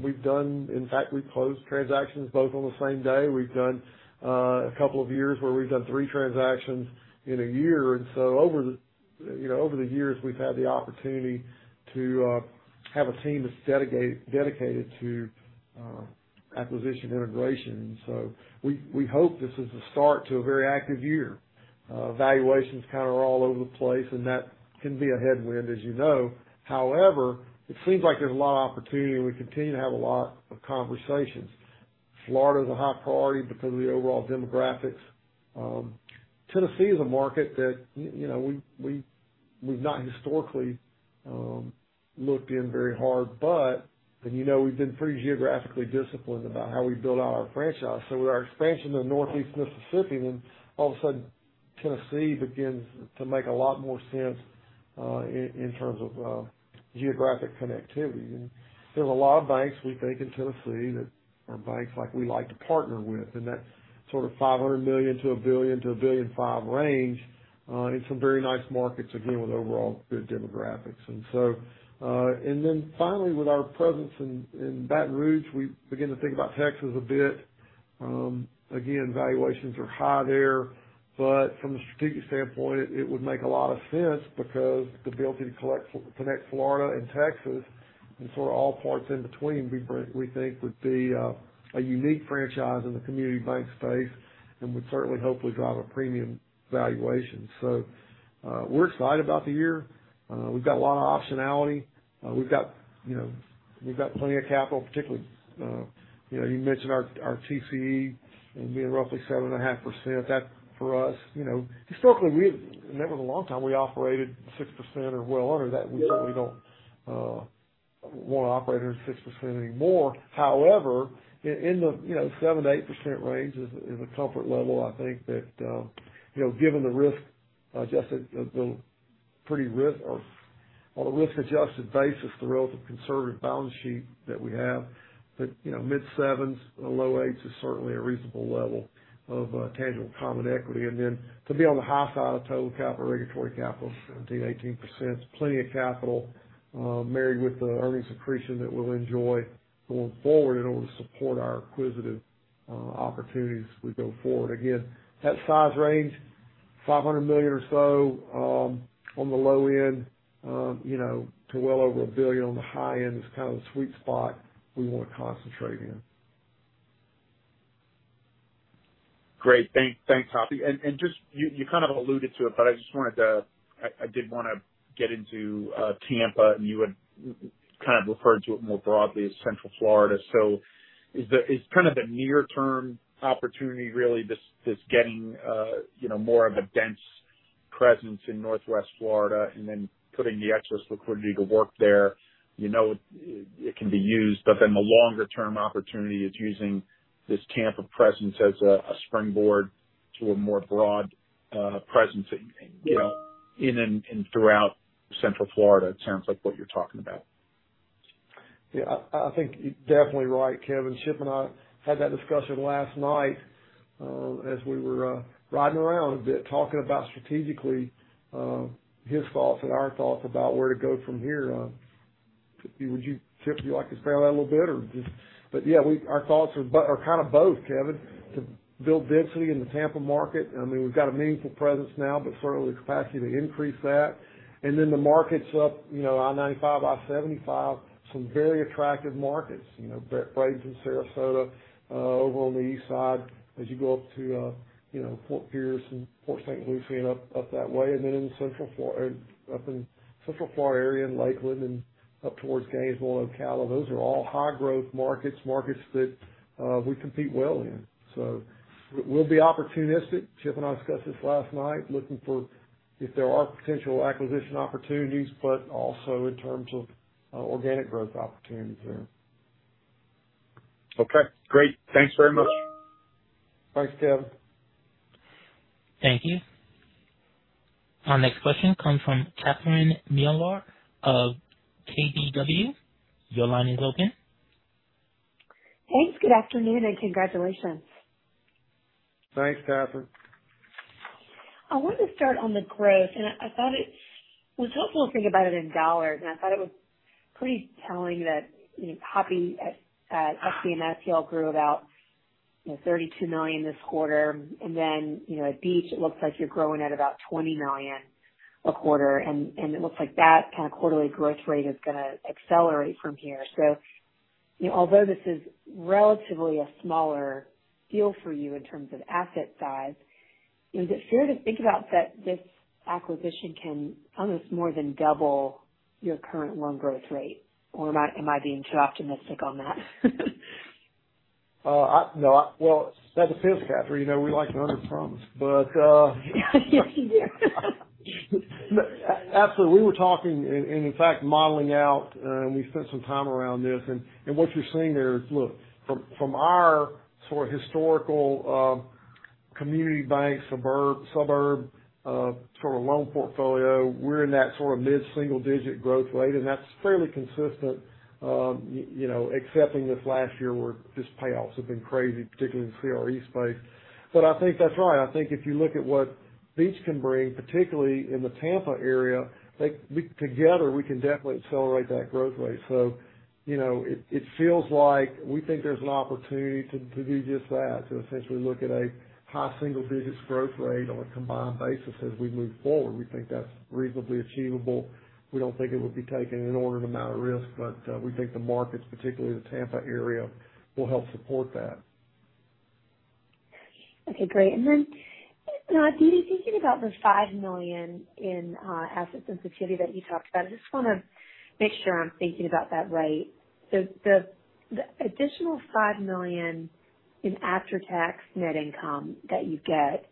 We've done. In fact, we've closed transactions both on the same day. We've done a couple of years where we've done three transactions in a year. Over the years, we've had the opportunity to have a team that's dedicated to acquisition integration. We hope this is a start to a very active year. Valuations kinda are all over the place, and that can be a headwind, as you know. However, it seems like there's a lot of opportunity, and we continue to have a lot of conversations. Florida is a high priority because of the overall demographics. Tennessee is a market that, you know, we've not historically looked in very hard, but we've been pretty geographically disciplined about how we build out our franchise. With our expansion to Northeast Mississippi, and then all of a sudden Tennessee begins to make a lot more sense, in terms of geographic connectivity. There's a lot of banks we think in Tennessee that are banks like we like to partner with, in that sort of $500 million-$1 billion-$1.5 billion range, in some very nice markets, again, with overall good demographics. And then finally, with our presence in Baton Rouge, we begin to think about Texas a bit. Again, valuations are high there, but from a strategic standpoint, it would make a lot of sense because the ability to connect Florida and Texas and sort of all parts in between we think would be a unique franchise in the community bank space and would certainly hopefully drive a premium valuation. We're excited about the year. We've got a lot of optionality. We've got, you know, plenty of capital particularly, you know, you mentioned our TCE and being roughly 7.5%. That for us, you know, historically, that was a long time ago, we operated 6% or well under that. We certainly don't wanna operate under 6% anymore. However, in the, you know, 7%-8% range is a comfort level I think that, you know, given the risk-adjusted, on a risk-adjusted basis, the relatively conservative balance sheet that we have. You know, mid-7s, low 8s is certainly a reasonable level of tangible common equity. To be on the high side of total capital, regulatory capital, 17%-18%, plenty of capital, married with the earnings accretion that we'll enjoy going forward in order to support our acquisitive opportunities as we go forward. Again, that size range. $500 million or so, on the low end, you know, to well over $1 billion on the high end is kind of the sweet spot we wanna concentrate in. Great. Thanks, Hoppy. Just kind of alluded to it, but I just wanted to. I did wanna get into Tampa, and you had kind of referred to it more broadly as central Florida. Is kind of the near term opportunity really this getting, you know, more of a dense presence in northwest Florida and then putting the excess liquidity to work there? You know, it can be used. Then the longer term opportunity is using this Tampa presence as a springboard to a more broad presence in, you know, in and throughout central Florida, it sounds like what you're talking about. Yeah. I think you're definitely right, Kevin. Chip and I had that discussion last night, as we were riding around a bit, talking about strategically, his thoughts and our thoughts about where to go from here. Would you, Chip, like to expand on that a little bit or just. But yeah, our thoughts are kind of both, Kevin, to build density in the Tampa market. I mean, we've got a meaningful presence now, but certainly the capacity to increase that. Then the markets up, you know, I-95, I-75, some very attractive markets. You know, Bradenton, Sarasota, over on the east side as you go up to, you know, Fort Pierce and Port St. Lucie and up that way. Up in Central Florida area in Lakeland and up towards Gainesville and Ocala. Those are all high growth markets that we compete well in. We'll be opportunistic. Chip and I discussed this last night, looking for if there are potential acquisition opportunities, but also in terms of organic growth opportunities there. Okay, great. Thanks very much. Thanks, Kevin. Thank you. Our next question comes from Catherine Mealor of KBW. Your line is open. Thanks. Good afternoon and congratulations. Thanks, Catherine. I wanted to start on the growth, and I thought it was helpful to think about it in dollars, and I thought it was pretty telling that, you know, Hoppy at FBMS, y'all grew about $32 million this quarter. Then, you know, at Beach it looks like you're growing at about $20 million a quarter, and it looks like that kind of quarterly growth rate is gonna accelerate from here. You know, although this is relatively a smaller deal for you in terms of asset size, is it fair to think about that this acquisition can almost more than double your current loan growth rate, or am I being too optimistic on that? Well, that's offensive, Catherine. You know we like to underpromise, but. Yes, you do. No. Absolutely. We were talking and in fact modeling out, and we spent some time around this. What you're seeing there is, look, from our sort of historical community bank, suburban sort of loan portfolio, we're in that sort of mid-single digit growth rate, and that's fairly consistent, you know, excepting this last year where just payoffs have been crazy, particularly in the CRE space. I think that's right. I think if you look at what Beach can bring, particularly in the Tampa area, like together, we can definitely accelerate that growth rate. You know, it feels like we think there's an opportunity to do just that, to essentially look at a high single digits growth rate on a combined basis as we move forward. We think that's reasonably achievable. We don't think it would be taking an inordinate amount of risk, but we think the markets, particularly the Tampa area, will help support that. Okay, great. Then, Dee Dee, thinking about the $5 million in asset sensitivity that you talked about, I just wanna make sure I'm thinking about that right. The additional $5 million in after-tax net income that you get,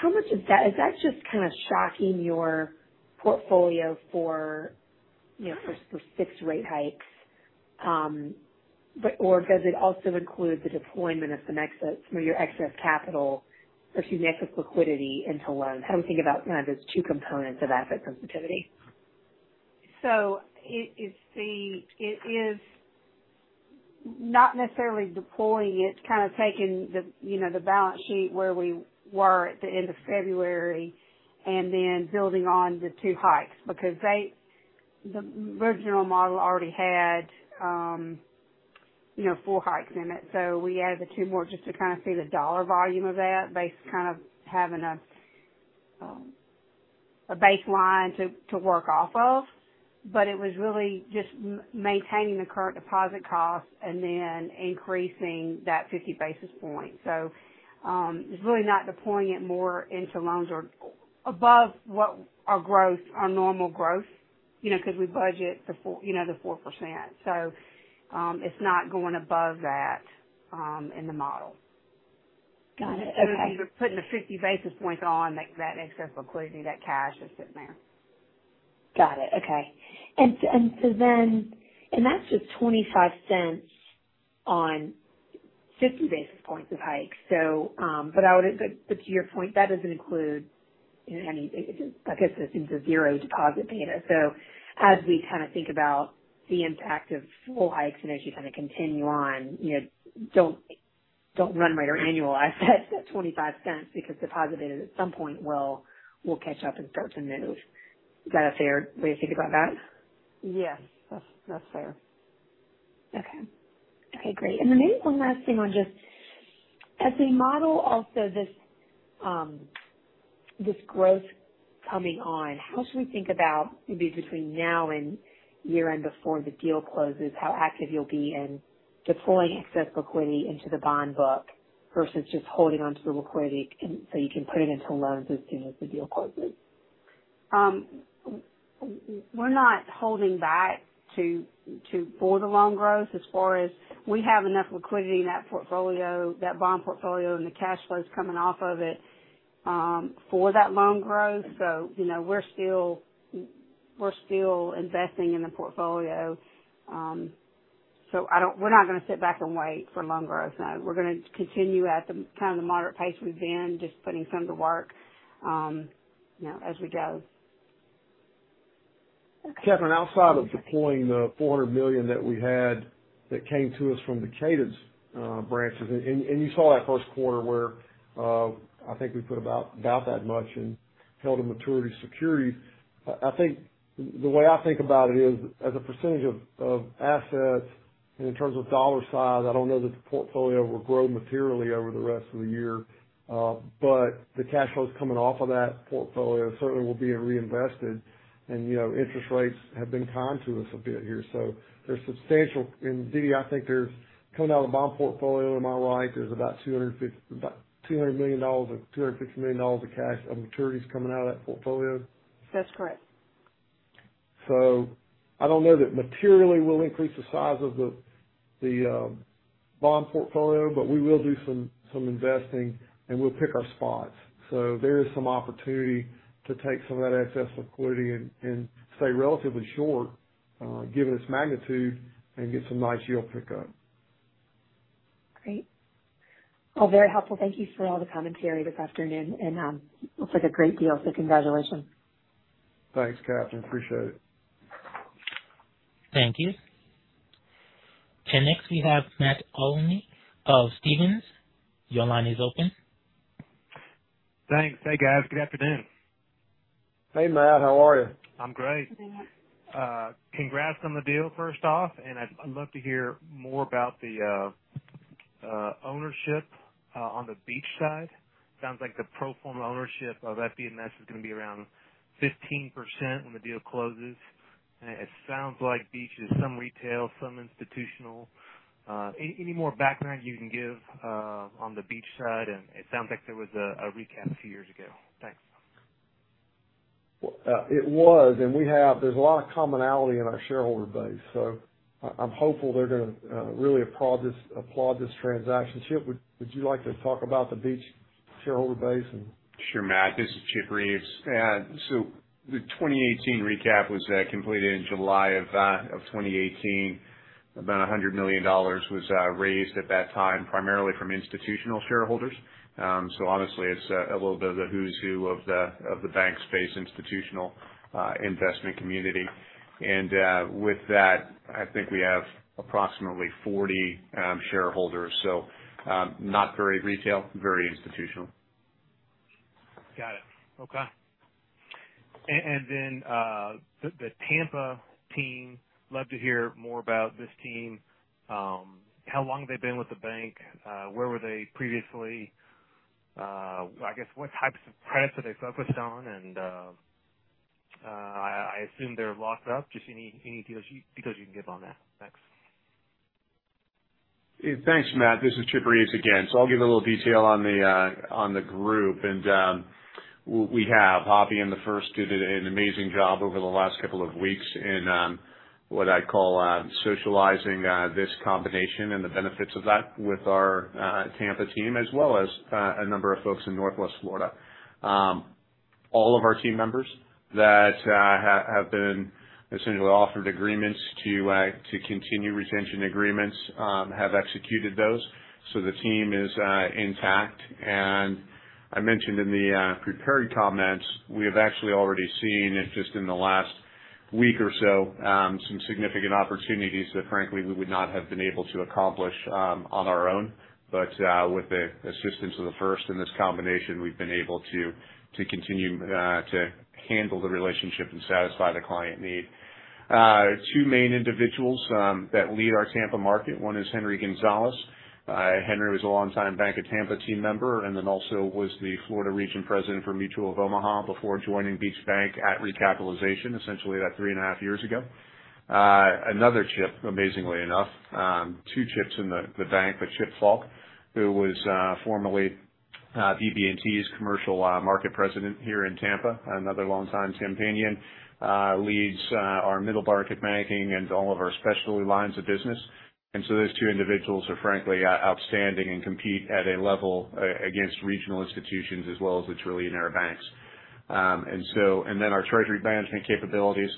how much of that is that just kind of shocking your portfolio for, you know, specific rate hikes? Or does it also include the deployment of some of your excess capital, excuse me, excess liquidity into loans? How do we think about, kind of, those two components of asset sensitivity? It is not necessarily deploying it. It's kind of taking the, you know, the balance sheet where we were at the end of February and then building on the two hikes because the original model already had, you know, four hikes in it. We added the two more just to kind of see the dollar volume of that based kind of having a baseline to work off of. It was really just maintaining the current deposit costs and then increasing that 50 basis points. It's really not deploying it more into loans or above what our growth, our normal growth, you know, because we budget the four, you know, the 4%. It's not going above that in the model. Got it. Okay. We're putting the 50 basis points on that excess liquidity, that cash that's sitting there. Got it. Okay. That's just $0.25 on 50 basis points of hikes. But to your point, that doesn't include any, I guess this is the zero deposit beta. As we kind of think about the impact of full hikes and as you kind of continue on, you know, don't run rate or annualize that $0.25 because deposit beta at some point will catch up and start to move. Is that a fair way to think about that? Yes, that's fair. Okay, great. Maybe one last thing on just as we model also this growth coming on, how should we think about maybe between now and year end before the deal closes, how active you'll be in deploying excess liquidity into the bond book versus just holding onto the liquidity so you can put it into loans as soon as the deal closes? We're not holding back for the loan growth as far as we have enough liquidity in that portfolio, that bond portfolio and the cash flows coming off of it, for that loan growth. You know, we're still investing in the portfolio. We're not gonna sit back and wait for loan growth. No, we're gonna continue at the kind of moderate pace we've been just putting some to work, you know, as we go. Okay. Catherine, outside of deploying the $400 million that we had that came to us from the Cadence branches, and you saw that first quarter where I think we put about that much and held-to-maturity security. I think the way I think about it is as a percentage of assets and in terms of dollar size, I don't know that the portfolio will grow materially over the rest of the year, but the cash flows coming off of that portfolio certainly will be reinvested. You know, interest rates have been kind to us a bit here, so there's substantial. Indeed, I think there's coming out of the bond portfolio in my view, there's about $250 million - about $200 million or $250 million of cash from maturities coming out of that portfolio. That's correct. I don't know that materially we'll increase the size of the bond portfolio, but we will do some investing, and we'll pick our spots. There is some opportunity to take some of that excess liquidity and stay relatively short, given its magnitude, and get some nice yield pickup. Great. All very helpful. Thank you for all the commentary this afternoon. Looks like a great deal. Congratulations. Thanks, Catherine. Appreciate it. Thank you. Next, we have Matt Olney of Stephens. Your line is open. Thanks. Hey, guys. Good afternoon. Hey, Matt. How are you? I'm great. Good afternoon. Congrats on the deal first off, and I'd love to hear more about the ownership on the Beach side. Sounds like the pro forma ownership of FBMS is gonna be around 15% when the deal closes. It sounds like Beach is some retail, some institutional. Any more background you can give on the Beach side? It sounds like there was a recap a few years ago. Thanks. Well, it was, and there's a lot of commonality in our shareholder base, so I'm hopeful they're gonna really applaud this transaction. Chip, would you like to talk about the Beach shareholder base? Sure, Matt, this is Chip Reeves. The 2018 recap was completed in July of 2018. About $100 million was raised at that time, primarily from institutional shareholders. Honestly, it's a little bit of a who's who of the bank space institutional investment community. With that, I think we have approximately 40 shareholders. Not very retail, very institutional. Got it. Okay. The Tampa team. Love to hear more about this team. How long have they been with the bank? Where were they previously? I guess what types of credits are they focused on? I assume they're locked up. Just any details you can give on that? Thanks. Yeah. Thanks, Matt. This is Chip Reeves again. I'll give a little detail on the group. We have Avi and The First did an amazing job over the last couple of weeks in what I'd call socializing this combination and the benefits of that with our Tampa team as well as a number of folks in Northwest Florida. All of our team members that have been essentially offered agreements to continue retention agreements have executed those. The team is intact. I mentioned in the prepared comments, we have actually already seen just in the last week or so some significant opportunities that frankly, we would not have been able to accomplish on our own. With the assistance of The First in this combination, we've been able to continue to handle the relationship and satisfy the client need. Two main individuals that lead our Tampa market. One is Henry Gonzalez. Henry was a longtime The Bank of Tampa team member and then also was the Florida region president for Mutual of Omaha Bank before joining Beach Bank at recapitalization, essentially about 3.5 years ago. Another Chip, amazingly enough, two Chips in the bank, but Chip Falk, who was formerly BB&T's commercial market president here in Tampa, another longtime companion, leads our middle market banking and all of our specialty lines of business. Those two individuals are frankly outstanding and compete at a level against regional institutions as well as the trillion-dollar banks. Our treasury management capabilities.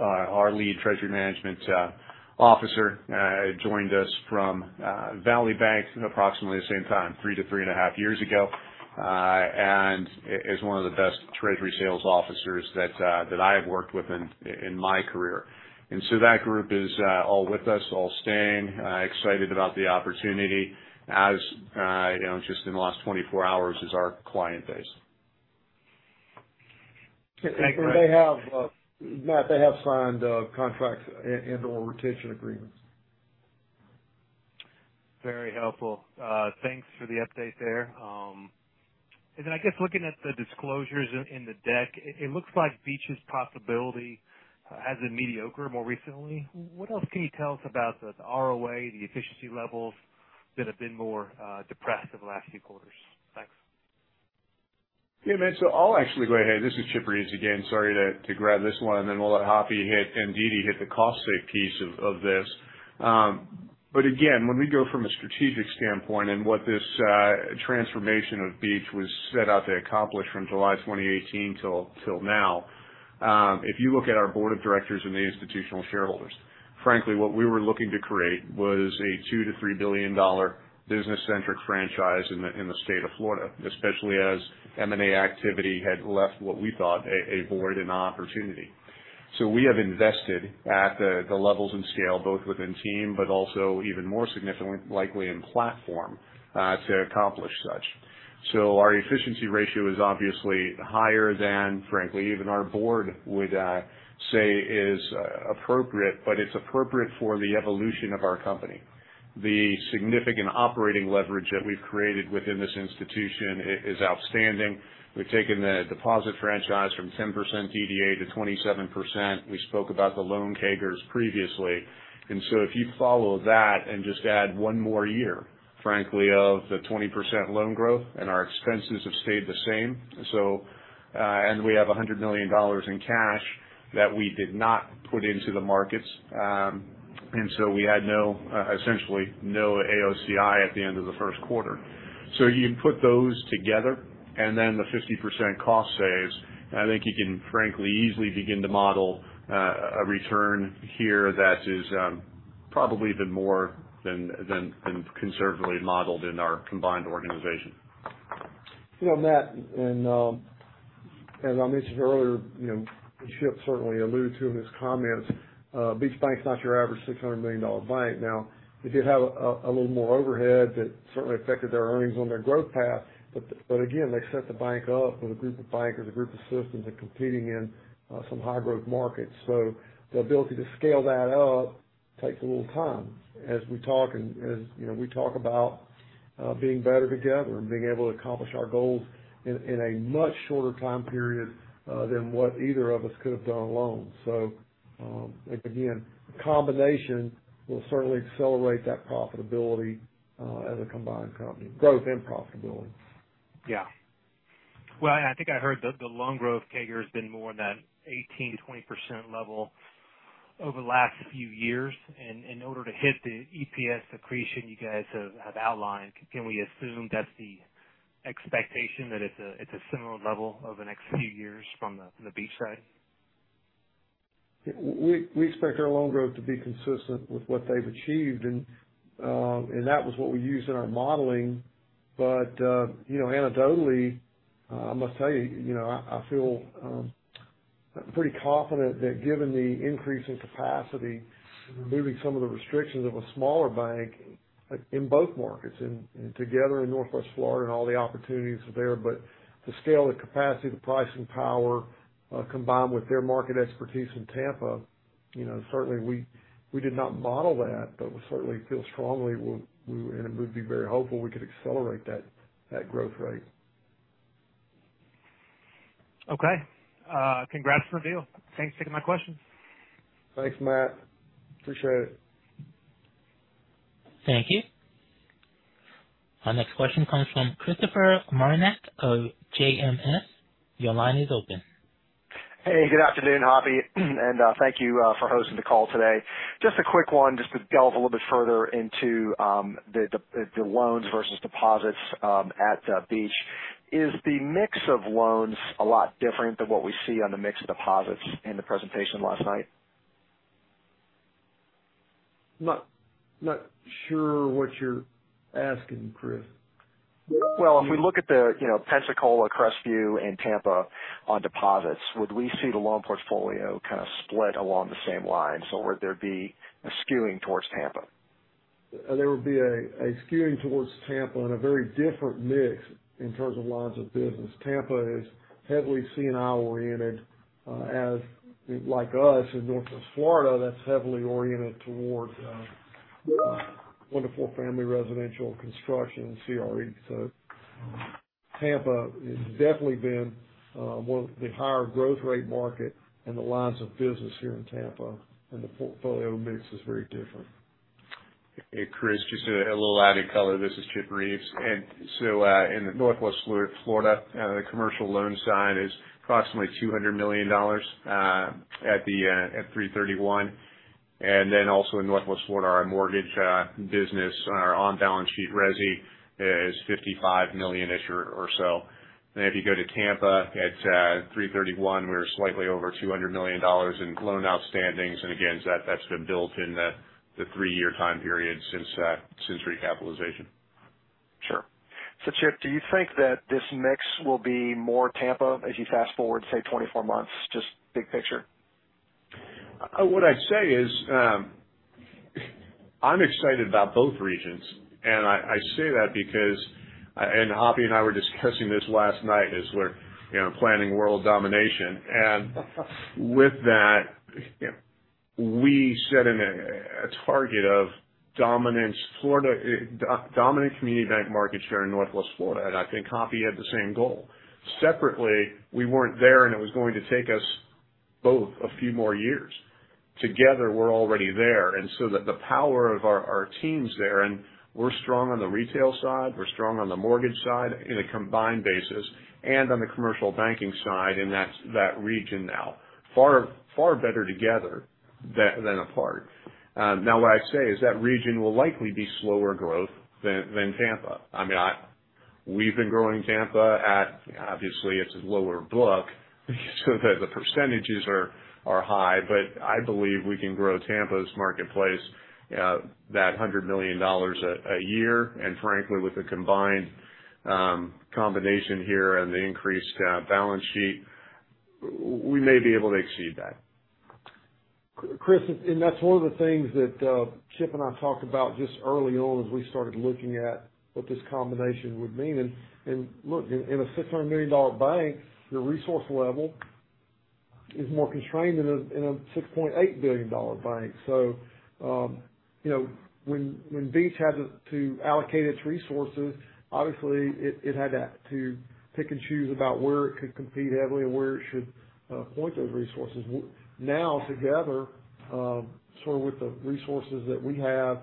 Our lead treasury management officer joined us from Valley Bank approximately the same time, three to 3.5 years ago and is one of the best treasury sales officers that I have worked with in my career. That group is all with us, all staying excited about the opportunity, as you know, just in the last 24 hours is our client base. They have, Matt, they have signed contracts and or retention agreements. Very helpful. Thanks for the update there. I guess looking at the disclosures in the deck, it looks like Beach's profitability has been mediocre more recently. What else can you tell us about the ROA, the efficiency levels that have been more depressed over the last few quarters? Thanks. Yeah, Matt, I'll actually go ahead. This is Chip Reeves again. Sorry to grab this one, and then we'll let Hoppy hit and DeeDee hit the cost savings piece of this. But again, when we go from a strategic standpoint and what this transformation of Beach was set out to accomplish from July 2018 till now, if you look at our board of directors and the institutional shareholders, frankly, what we were looking to create was a $2-$3 billion business centric franchise in the state of Florida, especially as M&A activity had left what we thought a void and an opportunity. We have invested at the levels and scale, both within team, but also even more significantly, likely in platform, to accomplish such. Our efficiency ratio is obviously higher than, frankly, even our board would say is appropriate, but it's appropriate for the evolution of our company. The significant operating leverage that we've created within this institution is outstanding. We've taken the deposit franchise from 10% DDA to 27%. We spoke about the loan CAGRs previously. If you follow that and just add one more year, frankly, of the 20% loan growth and our expenses have stayed the same. We have $100 million in cash that we did not put into the markets, and we had essentially no AOCI at the end of the first quarter. You put those together and then the 50% cost savings, and I think you can frankly, easily begin to model a return here that is probably even more than conservatively modeled in our combined organization. You know, Matt, as I mentioned earlier, you know, and Chip certainly alluded to in his comments, Beach Bank is not your average $600 million bank. Now, they did have a little more overhead that certainly affected their earnings on their growth path, but again, they set the bank up with a group of bankers, a group of systems and competing in some high growth markets. The ability to scale that up takes a little time. As we talk and as you know we talk about being better together and being able to accomplish our goals in a much shorter time period than what either of us could have done alone. Again, combination will certainly accelerate that profitability as a combined company, growth and profitability. Yeah. Well, I think I heard the loan growth CAGR has been more in that 18%-20% level over the last few years. In order to hit the EPS accretion you guys have outlined, can we assume that's the expectation that it's a similar level over the next few years from the Beach side? We expect our loan growth to be consistent with what they've achieved and that was what we used in our modeling. You know, anecdotally, I must tell you know, I feel pretty confident that given the increase in capacity, removing some of the restrictions of a smaller bank in both markets and together in Northwest Florida and all the opportunities there, but the scale, the capacity, the pricing power, combined with their market expertise in Tampa, you know, certainly we did not model that, but we certainly feel strongly we and we'd be very hopeful we could accelerate that growth rate. Okay. Congrats on the deal. Thanks for taking my questions. Thanks, Matt. Appreciate it. Thank you. Our next question comes from Christopher Marinac of JMS. Your line is open. Hey, good afternoon, Hoppy, and thank you for hosting the call today. Just a quick one, just to delve a little bit further into the loans versus deposits at Beach. Is the mix of loans a lot different than what we see on the mix of deposits in the presentation last night? Not sure what you're asking, Chris. Well, if we look at the you know, Pensacola, Crestview, and Tampa on deposits, would we see the loan portfolio kind of split along the same lines, or would there be a skewing towards Tampa? There would be a skewing towards Tampa and a very different mix in terms of lines of business. Tampa is heavily C&I oriented, as like us in Northwest Florida, that's heavily oriented towards, one-to-four family residential construction, CRE. Tampa has definitely been, one of the higher growth rate market and the lines of business here in Tampa and the portfolio mix is very different. Hey, Chris, just to add a little added color. This is Chip Reeves. In the Northwest Florida, the commercial loan side is approximately $200 million at 3/31. Also in Northwest Florida, our mortgage business, our on-balance sheet resi is $55 million-ish or so. If you go to Tampa at 3/31, we're slightly over $200 million in loan outstandings. That's been built in the three-year time period since recapitalization. Sure. Chip, do you think that this mix will be more Tampa as you fast forward, say, 24 months? Just big picture. What I'd say is, I'm excited about both regions, and I say that because Hoppy and I were discussing this last night as we're, you know, planning world domination. With that, we set a target of dominant community bank market share in Northwest Florida, and I think Hoppy had the same goal. Separately, we weren't there, and it was going to take us both a few more years. Together, we're already there, so the power of our teams there, and we're strong on the retail side, we're strong on the mortgage side on a combined basis and on the commercial banking side in that region now. Far better together than apart. Now what I'd say is that region will likely be slower growth than Tampa. I mean. We've been growing Tampa at, obviously, it's a lower book, so the percentages are high, but I believe we can grow Tampa's marketplace that $100 million a year. Frankly, with the combined combination here and the increased balance sheet, we may be able to exceed that. Chris, that's one of the things that Chip and I talked about just early on as we started looking at what this combination would mean. Look, in a $600 million bank, your resource level is more constrained than in a $6.8 billion bank. You know, when Beach had to allocate its resources, obviously it had to pick and choose about where it could compete heavily and where it should point those resources. Now, together, sort of with the resources that we have,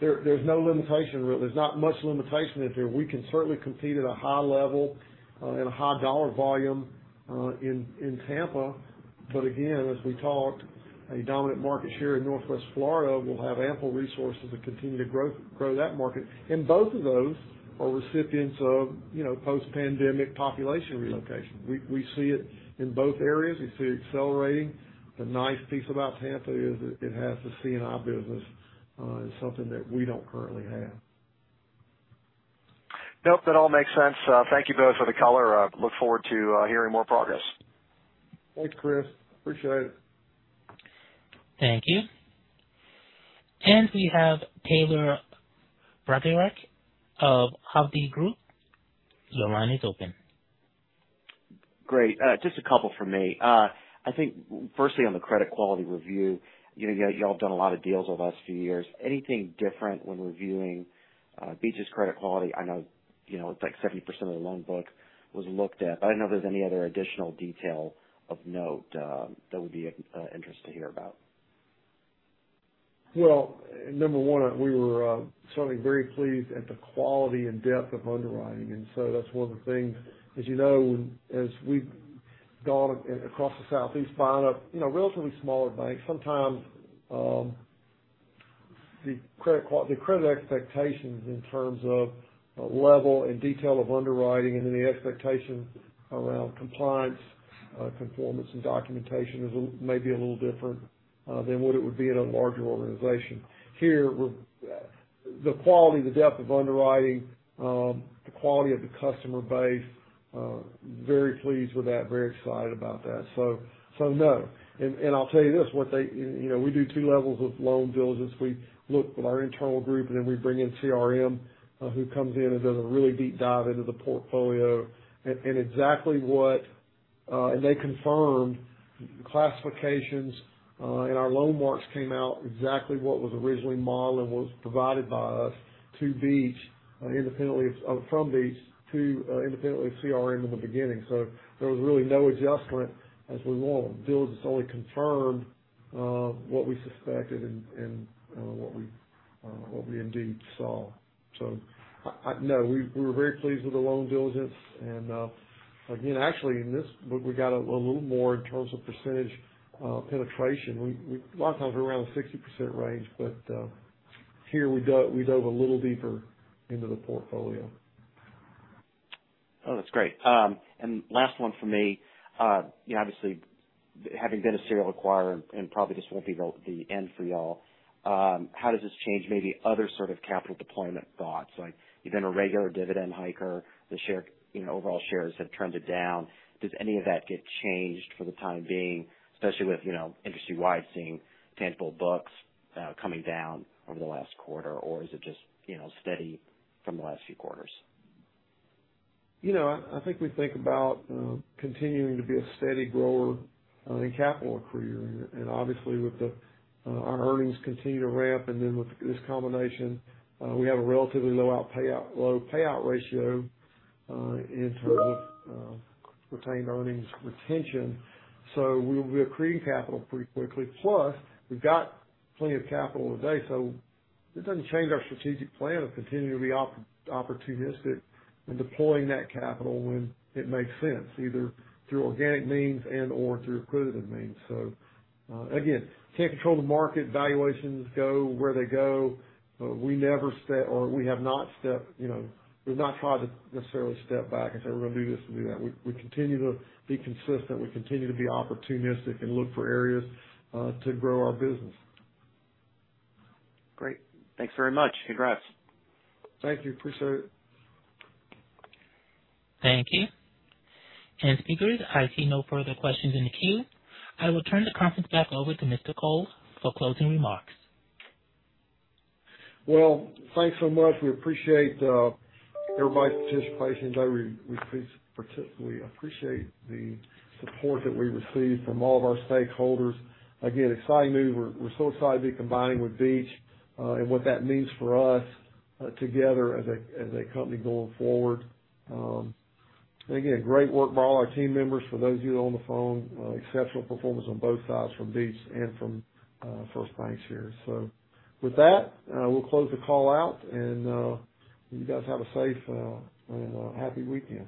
there's no limitation, really. There's not much limitation there. We can certainly compete at a high level and a high dollar volume in Tampa. Again, as we talked, a dominant market share in Northwest Florida will have ample resources to continue to grow that market. Both of those are recipients of, you know, post-pandemic population relocation. We see it in both areas. We see it accelerating. The nice piece about Tampa is it has the C&I business, something that we don't currently have. Nope, that all makes sense. Thank you both for the color. Look forward to hearing more progress. Thanks, Chris. Appreciate it. Thank you. We have Taylor Brodarick of Hovde Group. Your line is open. Great. Just a couple from me. I think firstly on the credit quality review, you know, y'all have done a lot of deals over the last few years. Anything different when reviewing Beach's credit quality? I know, you know, it's like 70% of the loan book was looked at. I don't know if there's any other additional detail of note that would be of interest to hear about. Well, number one, we were certainly very pleased at the quality and depth of underwriting. That's one of the things. As you know, as we've gone across the southeast buying up, you know, relatively smaller banks, sometimes the credit expectations in terms of level and detail of underwriting and then the expectations around compliance, conformance and documentation may be a little different than what it would be in a larger organization. Here, the quality, the depth of underwriting, the quality of the customer base, very pleased with that, very excited about that. No. I'll tell you this, you know, we do two levels of loan diligence. We look with our internal group, and then we bring in CRM, who comes in and does a really deep dive into the portfolio. They confirmed classifications, and our loan marks came out exactly what was originally modeled and was provided by us to Beach independently of. From Beach to independently CRM in the beginning. There was really no adjustment as we went. Due diligence only confirmed what we suspected and what we indeed saw. No, we were very pleased with the loan diligence. Again, actually, in this book, we got a little more in terms of percentage penetration. A lot of times we're around the 60% range, but here we dove a little deeper into the portfolio. Oh, that's great. Last one from me. You know, obviously, having been a serial acquirer and probably this won't be the end for y'all, how does this change maybe other sort of capital deployment thoughts? Like you've been a regular dividend hiker. The share, you know, overall shares have trended down. Does any of that get changed for the time being, especially with, you know, industry-wide seeing tangible books coming down over the last quarter? Or is it just, you know, steady from the last few quarters? You know, I think we think about continuing to be a steady grower in capital accreting. Obviously, with our earnings continue to ramp, and then with this combination, we have a relatively low payout ratio in terms of retained earnings retention. We are accreting capital pretty quickly. Plus, we've got plenty of capital today. This doesn't change our strategic plan of continuing to be opportunistic in deploying that capital when it makes sense, either through organic means and/or through accretive means. Again, can't control the market. Valuations go where they go. We have not stepped, you know, we've not tried to necessarily step back and say, we're gonna do this and do that. We continue to be consistent. We continue to be opportunistic and look for areas to grow our business. Great. Thanks very much. Congrats. Thank you. Appreciate it. Thank you. Speakers, I see no further questions in the queue. I will turn the conference back over to Mr. Cole for closing remarks. Well, thanks so much. We appreciate everybody's participation today. We appreciate the support that we received from all of our stakeholders. Again, exciting news. We're so excited to be combining with Beach and what that means for us together as a company going forward. Again, great work by all our team members. For those of you on the phone, exceptional performance on both sides from Beach and from The First Bancshares. With that, we'll close the call out and you guys have a safe and a happy weekend.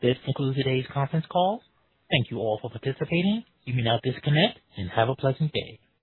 This concludes today's conference call. Thank you all for participating. You may now disconnect and have a pleasant day.